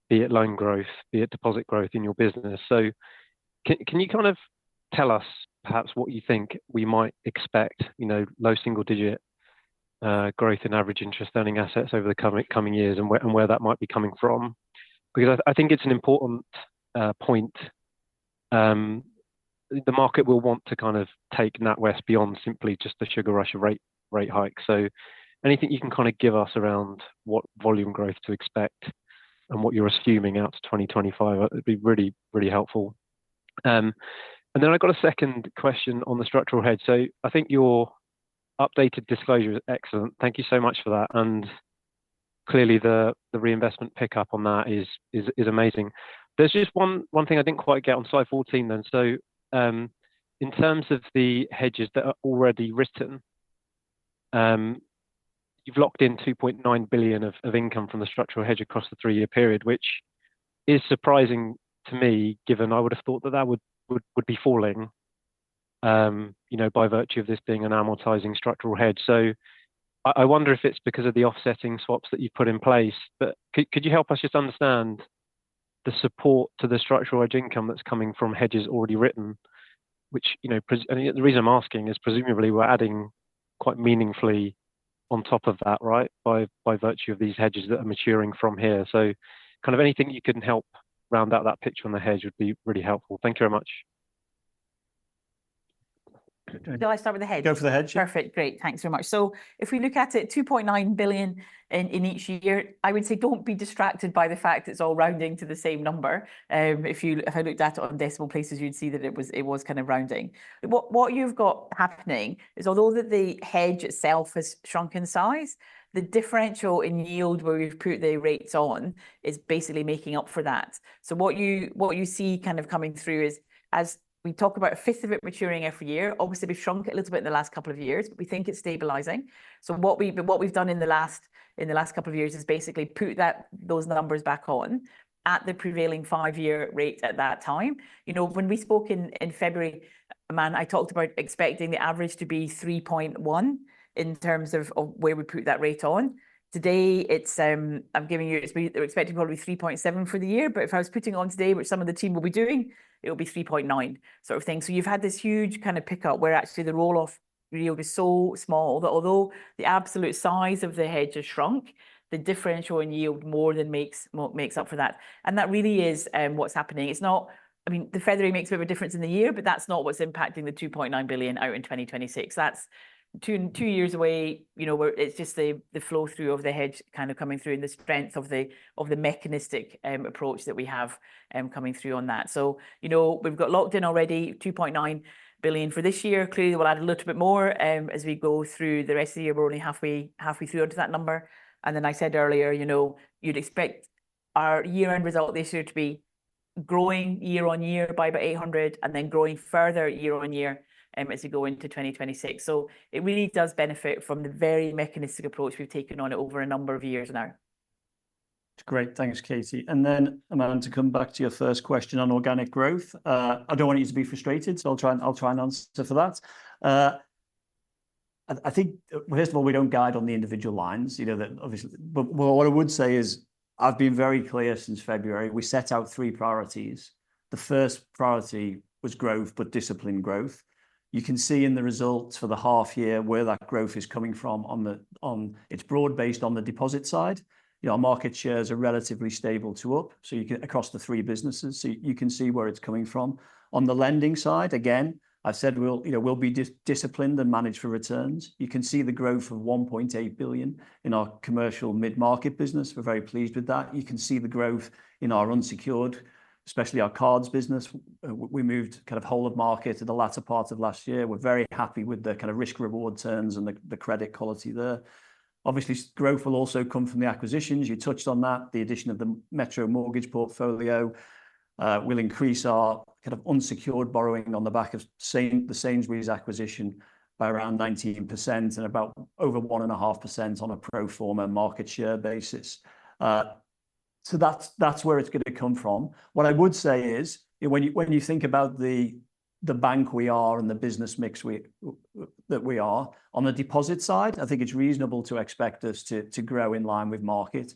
be it loan growth, be it deposit growth in your business. So can you kind of tell us perhaps what you think we might expect, you know, low single digit growth in average interest earning assets over the coming years, and where that might be coming from? Because I think it's an important point. The market will want to kind of take NatWest beyond simply just the sugar rush of rate hikes. So anything you can kind of give us around what volume growth to expect and what you're assuming out to 2025, that'd be really, really helpful. And then I've got a second question on the structural hedge. So I think your updated disclosure is excellent. Thank you so much for that, and clearly, the reinvestment pickup on that is amazing. There's just one thing I didn't quite get on slide 14 then. So, in terms of the hedges that are already written, you've locked in 2.9 billion of income from the structural hedge across the three-year period, which is surprising to me, given I would've thought that that would be falling, you know, by virtue of this being an amortizing structural hedge. So I wonder if it's because of the offsetting swaps that you've put in place. But could you help us just understand the support to the structural hedge income that's coming from hedges already written? Which, you know, and the reason I'm asking is presumably we're adding quite meaningfully on top of that, right, by virtue of these hedges that are maturing from here. So kind of anything you can help round out that picture on the hedge would be really helpful. Thank you very much. Do I start with the hedge? Go for the hedge. Perfect, great. Thanks very much. So if we look at it, 2.9 billion in each year, I would say don't be distracted by the fact it's all rounding to the same number. If I looked at it on decimal places, you'd see that it was kind of rounding. What you've got happening is, although the hedge itself has shrunk in size, the differential in yield where we've put the rates on is basically making up for that. So what you see kind of coming through is, as we talk about a fifth of it maturing every year, obviously we've shrunk it a little bit in the last couple of years, but we think it's stabilizing. So what we... What we've done in the last couple of years is basically put that, those numbers back on at the prevailing five-year rate at that time. You know, when we spoke in February, Aman, I talked about expecting the average to be 3.1 in terms of where we put that rate on. Today, it's, I'm giving you, it's we're expecting probably 3.7 for the year, but if I was putting it on today, which some of the team will be doing, it'll be 3.9 sort of thing. So you've had this huge kind of pickup where actually the roll-off yield is so small that although the absolute size of the hedge has shrunk, the differential in yield more than makes up for that, and that really is what's happening. It's not... I mean, the feathering makes a little difference in the year, but that's not what's impacting the 2.9 billion out in 2026. That's two years away. You know, where it's just the flow-through of the hedge kind of coming through and the strength of the mechanistic approach that we have coming through on that. So, you know, we've got locked in already 2.9 billion for this year. Clearly, we'll add a little bit more as we go through the rest of the year. We're only halfway, halfway through to that number, and then I said earlier, you know, you'd expect our year-end result this year to be growing year-on-year by about 800 million, and then growing further year-on-year as we go into 2026. So it really does benefit from the very mechanistic approach we've taken on it over a number of years now. Great. Thanks, Katie. And then, Aman, to come back to your first question on organic growth, I don't want you to be frustrated, so I'll try and answer for that. I think, well, first of all, we don't guide on the individual lines, you know, that obviously... But, well, what I would say is, I've been very clear since February, we set out three priorities. The first priority was growth, but disciplined growth. You can see in the results for the half year where that growth is coming from on the... It's broad-based on the deposit side. You know, our market shares are relatively stable to up, so you can across the three businesses, so you can see where it's coming from. On the lending side, again, I've said we'll, you know, we'll be disciplined and managed for returns. You can see the growth of 1.8 billion in our commercial mid-market business. We're very pleased with that. You can see the growth in our unsecured, especially our cards business. We moved kind of whole of market in the latter part of last year. We're very happy with the kind of risk-reward returns and the credit quality there. Obviously, growth will also come from the acquisitions. You touched on that. The addition of the Metro mortgage portfolio will increase our kind of unsecured borrowing on the back of the Sainsbury's acquisition by around 19% and about over 1.5% on a pro forma market share basis. So that's where it's gonna come from. What I would say is, when you think about the bank we are and the business mix we are, on the deposit side, I think it's reasonable to expect us to grow in line with market.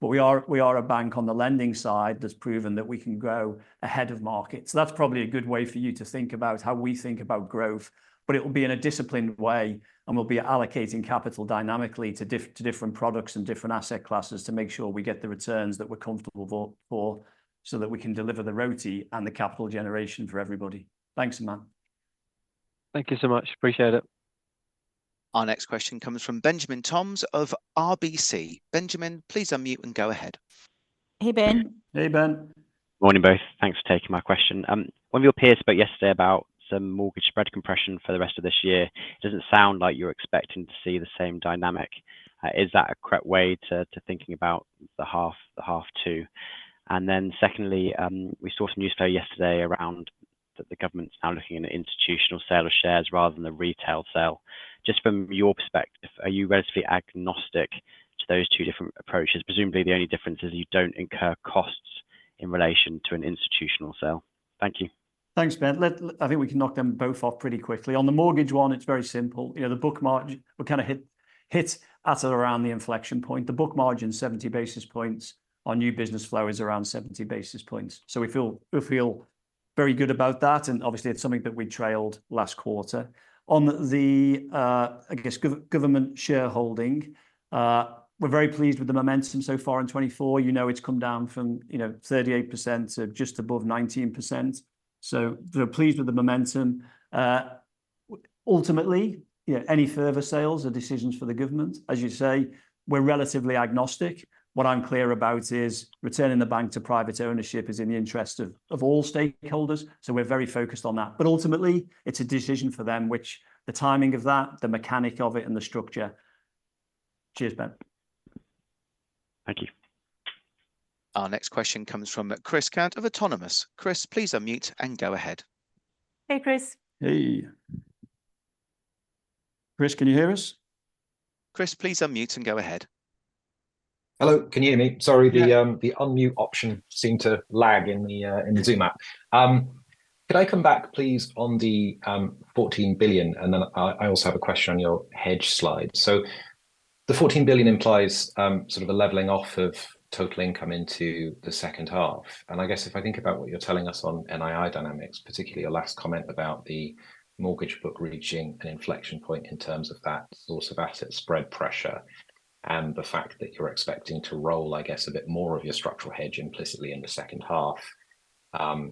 But we are a bank on the lending side that's proven that we can grow ahead of market. So that's probably a good way for you to think about how we think about growth, but it will be in a disciplined way, and we'll be allocating capital dynamically to different products and different asset classes to make sure we get the returns that we're comfortable for, so that we can deliver the ROTE and the capital generation for everybody. Thanks, Aman. Thank you so much. Appreciate it. Our next question comes from Benjamin Toms of RBC. Benjamin, please unmute and go ahead. Hey, Ben. Hey, Ben. Morning, both. Thanks for taking my question. One of your peers spoke yesterday about some mortgage spread compression for the rest of this year. It doesn't sound like you're expecting to see the same dynamic. Is that a correct way to thinking about the half, the half two? And then secondly, we saw some news flow yesterday around that the government's now looking at an institutional sale of shares rather than the retail sale. Just from your perspective, are you relatively agnostic to those two different approaches? Presumably, the only difference is you don't incur costs in relation to an institutional sale. Thank you. Thanks, Ben. I think we can knock them both off pretty quickly. On the mortgage one, it's very simple. You know, the book margin, we're kind of hit at around the inflection point. The book margin's 70 basis points. Our new business flow is around 70 basis points, so we feel very good about that, and obviously it's something that we trailed last quarter. On the, I guess, government shareholding, we're very pleased with the momentum so far in 2024. You know, it's come down from, you know, 38% to just above 19%, so we're pleased with the momentum. Ultimately, you know, any further sales are decisions for the government. As you say, we're relatively agnostic. What I'm clear about is returning the bank to private ownership is in the interest of, of all stakeholders, so we're very focused on that. But ultimately, it's a decision for them, which the timing of that, the mechanic of it, and the structure... Cheers, Ben. Thank you. Our next question comes from Chris Cant of Autonomous Research. Chris, please unmute and go ahead. Hey, Chris. Hey. Chris, can you hear us? Chris, please unmute and go ahead. Hello, can you hear me? Sorry, the unmute option seemed to lag in the Zoom app. Could I come back, please, on the 14 billion, and then I also have a question on your hedge slide. So the 14 billion implies sort of a leveling off of total income into the second half, and I guess if I think about what you're telling us on NII dynamics, particularly your last comment about the mortgage book reaching an inflection point in terms of that source of asset spread pressure and the fact that you're expecting to roll, I guess, a bit more of your structural hedge implicitly in the second half,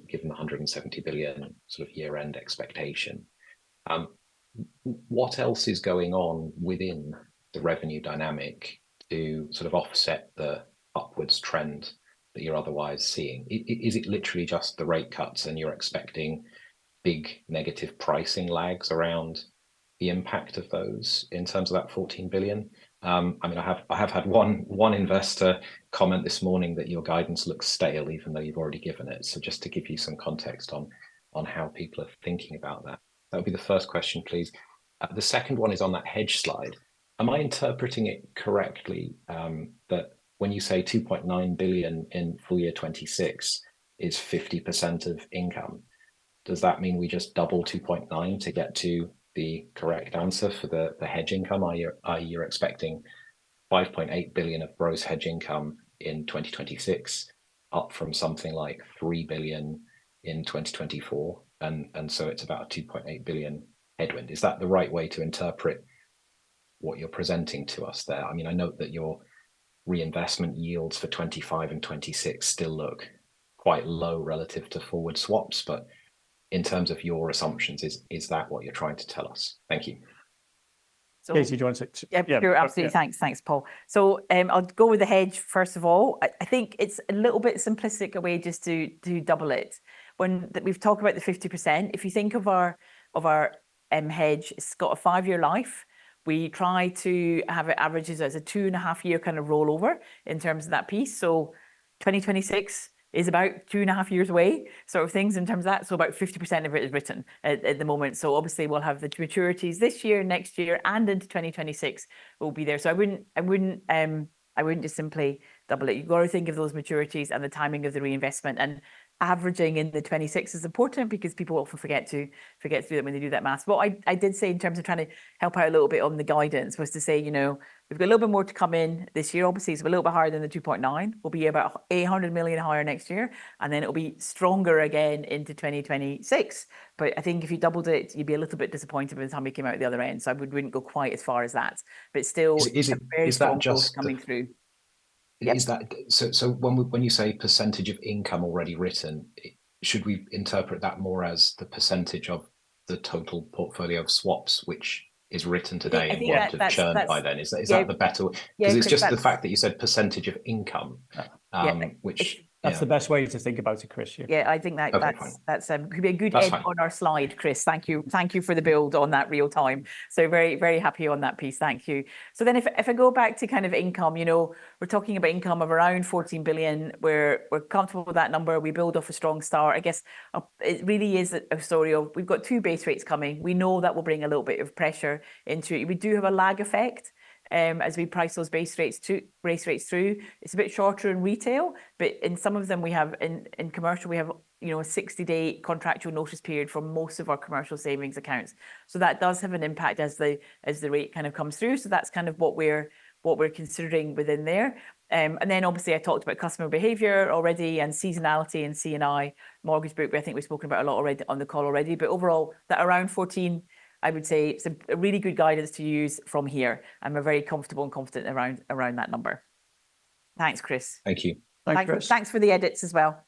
given 170 billion sort of year-end expectation. What else is going on within the revenue dynamic to sort of offset the upward trend that you're otherwise seeing? Is it literally just the rate cuts, and you're expecting big negative pricing lags around the impact of those in terms of that 14 billion? I mean, I have had one investor comment this morning that your guidance looks stale even though you've already given it, so just to give you some context on how people are thinking about that. That would be the first question, please. The second one is on that hedge slide. Am I interpreting it correctly, that when you say 2.9 billion in full year 2026 is 50% of income, does that mean we just double 2.9 to get to the correct answer for the hedge income? Are you expecting 5.8 billion of gross hedge income in 2026, up from something like 3 billion in 2024, and so it's about a 2.8 billion headwind? Is that the right way to interpret what you're presenting to us there? I mean, I note that your reinvestment yields for 2025 and 2026 still look quite low relative to forward swaps, but in terms of your assumptions, is that what you're trying to tell us? Thank you. So- Katie, do you want to say t- Yeah. Yeah. Sure, absolutely. Thanks. Thanks, Paul. So, I'll go with the hedge first of all. I think it's a little bit simplistic a way just to double it. We've talked about the 50%. If you think of our hedge, it's got a five-year life. We try to have it average as a two and a half-year kind of rollover in terms of that piece, so 2026 is about two and a half years away, sort of things in terms of that, so about 50% of it is written at the moment. So obviously we'll have the maturities this year, next year, and into 2026, we'll be there. So I wouldn't just simply double it. You've got to think of those maturities and the timing of the reinvestment, and averaging in the 2026 is important because people often forget to, forget to do that when they do that math. What I, I did say in terms of trying to help out a little bit on the guidance was to say, you know, we've got a little bit more to come in this year, obviously. So a little bit higher than the 2.9. We'll be about 800 million higher next year, and then it'll be stronger again into 2026, but I think if you doubled it, you'd be a little bit disappointed with how we came out the other end, so I would- wouldn't go quite as far as that. But still- So is it- Very strong-... is that just the- Coming through. Yep. Is that... So, when you say percentage of income already written, should we interpret that more as the percentage of the total portfolio of swaps, which is written today- I think that's- Won't have churned by then? Yeah. Is that the better w- Yeah, 'cause that's- 'Cause it's just the fact that you said percentage of income- Yeah That's the best way to think about it, Chris, yeah. Yeah, I think that- Okay, fine... that's, could be a good hedge- That's fine... on our slide, Chris. Thank you. Thank you for the build on that real time, so very, very happy on that piece. Thank you. So then if I go back to kind of income, you know, we're talking about income of around 14 billion, where we're comfortable with that number. We build off a strong start. I guess it really is a story of we've got two base rates coming. We know that will bring a little bit of pressure into it. We do have a lag effect as we price those base rates to base rates through. It's a bit shorter in retail, but in some of them we have in commercial we have, you know, a 60-day contractual notice period for most of our commercial savings accounts. So that does have an impact as the rate kind of comes through. So that's kind of what we're considering within there. And then obviously, I talked about customer behavior already and seasonality in C&I mortgage group. I think we've spoken about a lot already on the call. But overall, that around 14, I would say, is a really good guidance to use from here, and we're very comfortable and confident around that number. Thanks, Chris. Thank you. Thanks, Chris. Thanks for the edits as well.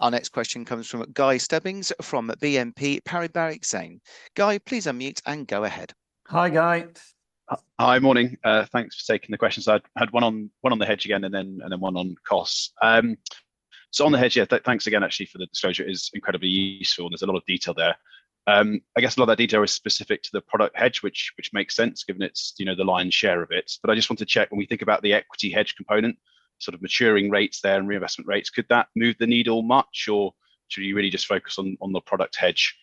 Our next question comes from Guy Stebbings from BNP Paribas Exane. Guy, please unmute and go ahead. Hi, Guy. Hi, morning. Thanks for taking the questions. I had one on the hedge again, and then one on costs. So on the hedge, yeah, thanks again actually for the disclosure. It is incredibly useful, and there's a lot of detail there. I guess a lot of that detail is specific to the product hedge, which makes sense given it's, you know, the lion's share of it. But I just want to check, when we think about the equity hedge component, sort of maturing rates there and reinvestment rates, could that move the needle much, or should we really just focus on the product hedge?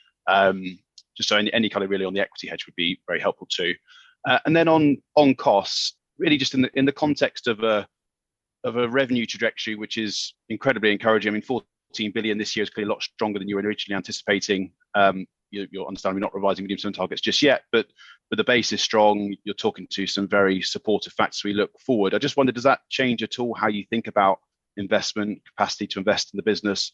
Just so any color really on the equity hedge would be very helpful, too. And then on costs, really just in the context of... of a revenue trajectory, which is incredibly encouraging. I mean, 14 billion this year is clearly a lot stronger than you were originally anticipating. You, you'll understandably not revising medium-term targets just yet, but, but the base is strong. You're talking to some very supportive facts as we look forward. I just wonder, does that change at all how you think about investment, capacity to invest in the business,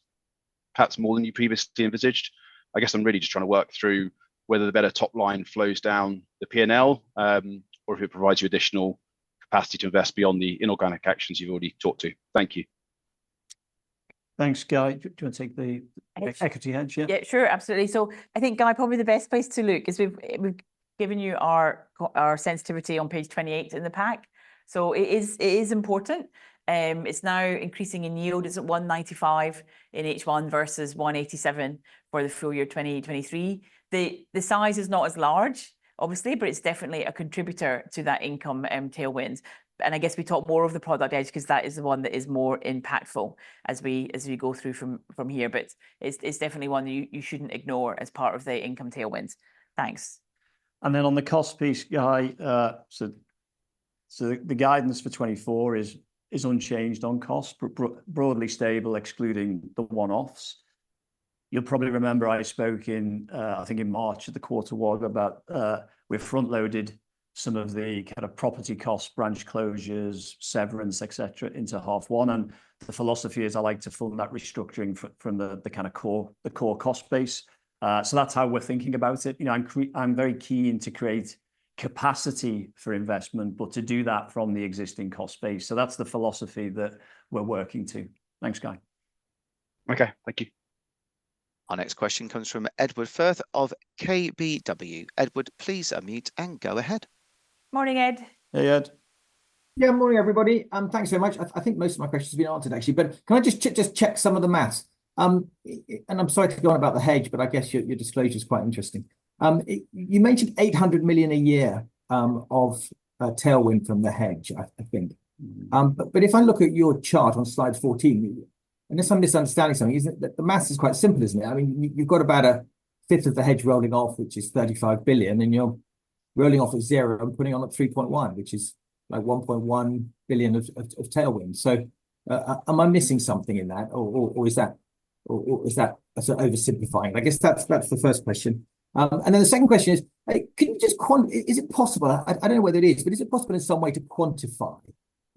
perhaps more than you previously envisaged? I guess I'm really just trying to work through whether the better top line flows down the P&L, or if it provides you additional capacity to invest beyond the inorganic actions you've already talked to. Thank you. Thanks, Guy. Do you want to take the- Equity... equity hedge? Yeah. Yeah, sure. Absolutely. So I think, Guy, probably the best place to look is we've given you our sensitivity on page 28 in the pack. So it is important. It's now increasing in yield. It's at 195 in H1 versus 187 for the full year 2023. The size is not as large, obviously, but it's definitely a contributor to that income tailwinds. And I guess we talk more of the product hedge, 'cause that is the one that is more impactful as we go through from here, but it's definitely one you shouldn't ignore as part of the income tailwinds. Thanks. And then on the cost piece, Guy, so the guidance for 2024 is unchanged on cost, but broadly stable, excluding the one-offs. You'll probably remember I spoke in March at the quarter walk about we've front-loaded some of the kind of property cost, branch closures, severance, et cetera, into half one, and the philosophy is I'd like to fund that restructuring from the kind of core, the core cost base. So that's how we're thinking about it. You know, I'm very keen to create capacity for investment, but to do that from the existing cost base, so that's the philosophy that we're working to. Thanks, Guy. Okay, thank you. Our next question comes from Edward Firth of KBW. Edward, please unmute and go ahead. Morning, Ed. Hey, Ed. Yeah, morning, everybody, and thanks so much. I think most of my questions have been answered, actually, but can I just check some of the math? And I'm sorry to go on about the hedge, but I guess your disclosure's quite interesting. You mentioned 800 million a year of a tailwind from the hedge, I think. But if I look at your chart on slide 14, unless I'm misunderstanding something, isn't it the math is quite simple, isn't it? I mean, you've got about a fifth of the hedge rolling off, which is 35 billion, and you're rolling off of zero and putting on a 3.1, which is, like, 1.1 billion of tailwind. So, am I missing something in that or is that sort of oversimplifying it? I guess that's the first question. And then the second question is, hey, is it possible... I don't know whether it is, but is it possible in some way to quantify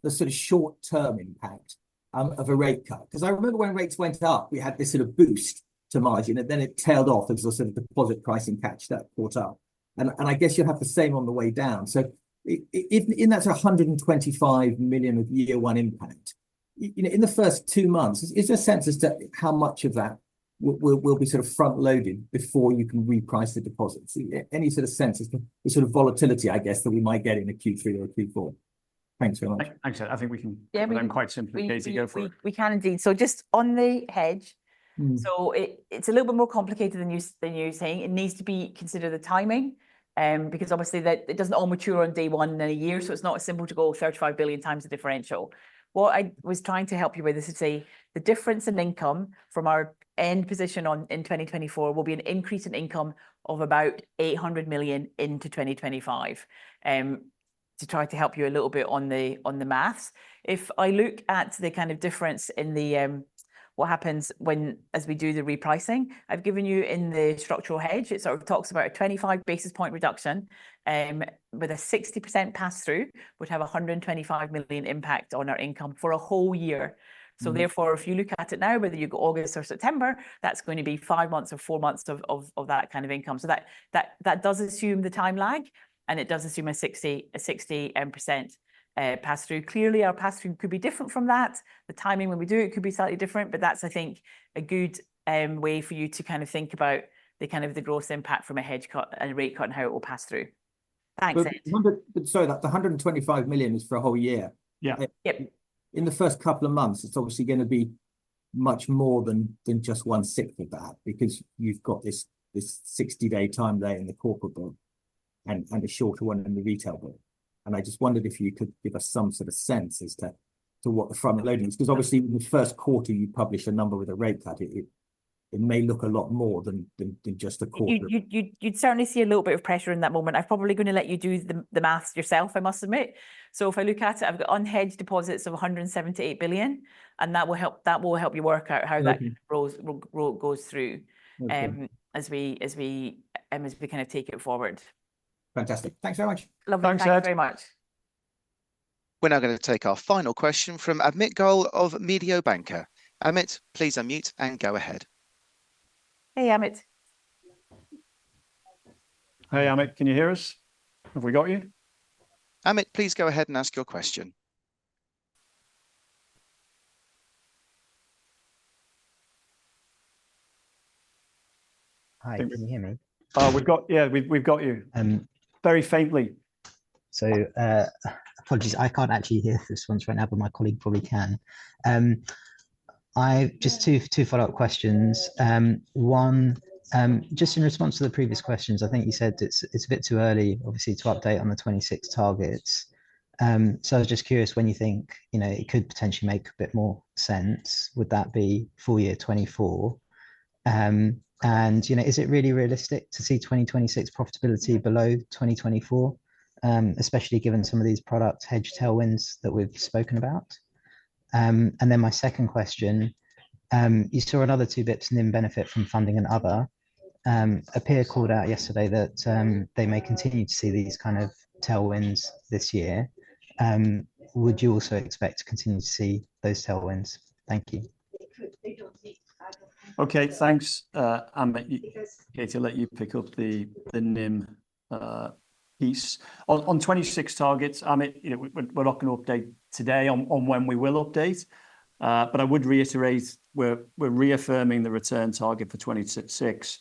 the sort of short-term impact of a rate cut? 'Cause I remember when rates went up, we had this sort of boost to margin, and then it tailed off. There was a sort of deposit pricing catch that caught up, and I guess you'll have the same on the way down. So in that 125 million of year one impact, you know, in the first two months, is there a sense as to how much of that will be sort of front-loaded before you can reprice the deposits? Any sort of sense as to the sort of volatility, I guess, that we might get in a Q3 or a Q4? Thanks very much. Thanks, Ed. I think we can- Yeah, we-... I mean, quite simply, Katie, go for it. We can indeed. So just on the hedge- Mm. So it's a little bit more complicated than you're saying. It needs to be... Consider the timing, because obviously that it doesn't all mature on day one in a year, so it's not as simple to go 35 billion times the differential. What I was trying to help you with is to say the difference in income from our end position on, in 2024 will be an increase in income of about 800 million into 2025. To try to help you a little bit on the, on the math, if I look at the kind of difference in the, what happens when, as we do the repricing, I've given you in the structural hedge, it sort of talks about a 25 basis point reduction, with a 60% pass-through, would have 125 million impact on our income for a whole year. Mm-hmm. So therefore, if you look at it now, whether you go August or September, that's going to be five months or four months of that kind of income. So that does assume the time lag, and it does assume a 60% pass-through. Clearly, our pass-through could be different from that. The timing when we do it could be slightly different, but that's, I think, a good way for you to kind of think about the kind of the gross impact from a hedge cut, a rate cut, and how it will pass through. Thanks, Ed. But sorry, that 125 million is for a whole year? Yeah. Yep. In the first couple of months, it's obviously gonna be much more than just one-sixth of that, because you've got this 60-day time delay in the corporate book, and a shorter one in the retail book, and I just wondered if you could give us some sort of sense as to what the front-loading is. 'Cause obviously, in the first quarter, you publish a number with a rate cut, it may look a lot more than just a quarter. You'd certainly see a little bit of pressure in that moment. I'm probably gonna let you do the math yourself, I must admit. So if I look at it, I've got unhedged deposits of 178 billion, and that will help you work out how that- Thank you... rolls, goes through- Thank you... as we kind of take it forward. Fantastic. Thanks very much. Lovely. Thanks, Ed. Thank you very much. We're now gonna take our final question from Amit Goel of Mediobanca. Amit, please unmute and go ahead. Hey, Amit. Hey, Amit, can you hear us? Have we got you? Amit, please go ahead and ask your question. Hi, can you hear me? We've got... Yeah, we've, we've got you. Um- Very faintly. Apologies. I can't actually hear this one right now, but my colleague probably can. I've just two follow-up questions. One, just in response to the previous questions, I think you said it's a bit too early, obviously, to update on the 2026 targets. So I'm just curious when you think, you know, it could potentially make a bit more sense, would that be full year 2024? And, you know, is it really realistic to see 2026 profitability below 2024? Especially given some of these products hedge tailwinds that we've spoken about? And then my second question, you saw another 2 basis points NIM benefit from funding and other, a peer called out yesterday that they may continue to see these kind of tailwinds this year. Would you also expect to continue to see those tailwinds? Thank you. Okay, thanks, Amit. Katie, I'll let you pick up the NIM piece. On 2026 targets, Amit, you know, we're not gonna update today on when we will update. But I would reiterate, we're reaffirming the return target for 2026.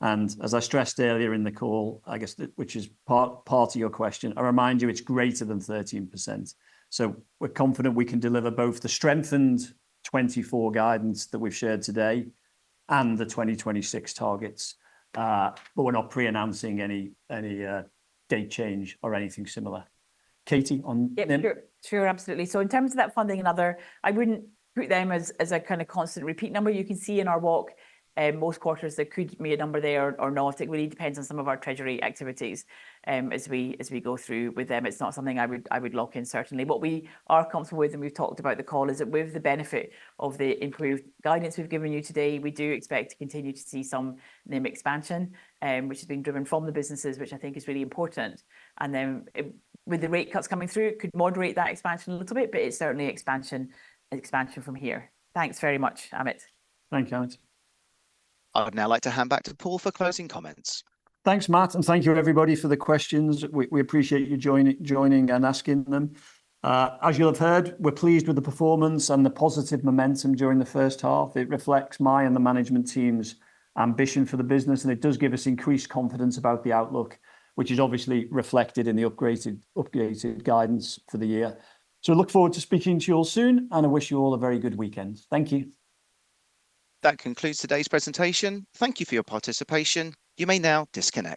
And as I stressed earlier in the call, I guess, which is part of your question, I remind you, it's greater than 13%. So we're confident we can deliver both the strengthened 2024 guidance that we've shared today and the 2026 targets. But we're not pre-announcing any date change or anything similar. Katie, on NIM? Yeah, sure. Sure, absolutely. So in terms of that funding and other, I wouldn't treat them as, as a kind of constant repeat number. You can see in our walk, most quarters, there could be a number there or not. It really depends on some of our treasury activities, as we, as we go through with them. It's not something I would, I would lock in, certainly. What we are comfortable with, and we've talked about the call, is that with the benefit of the improved guidance we've given you today, we do expect to continue to see some NIM expansion, which is being driven from the businesses, which I think is really important. And then, with the rate cuts coming through, it could moderate that expansion a little bit, but it's certainly expansion, expansion from here. Thanks very much, Amit. Thank you, Amit. I would now like to hand back to Paul for closing comments. Thanks, Matt, and thank you, everybody, for the questions. We appreciate you joining and asking them. As you'll have heard, we're pleased with the performance and the positive momentum during the first half. It reflects my and the management team's ambition for the business, and it does give us increased confidence about the outlook, which is obviously reflected in the upgraded guidance for the year. So I look forward to speaking to you all soon, and I wish you all a very good weekend. Thank you. That concludes today's presentation. Thank you for your participation. You may now disconnect.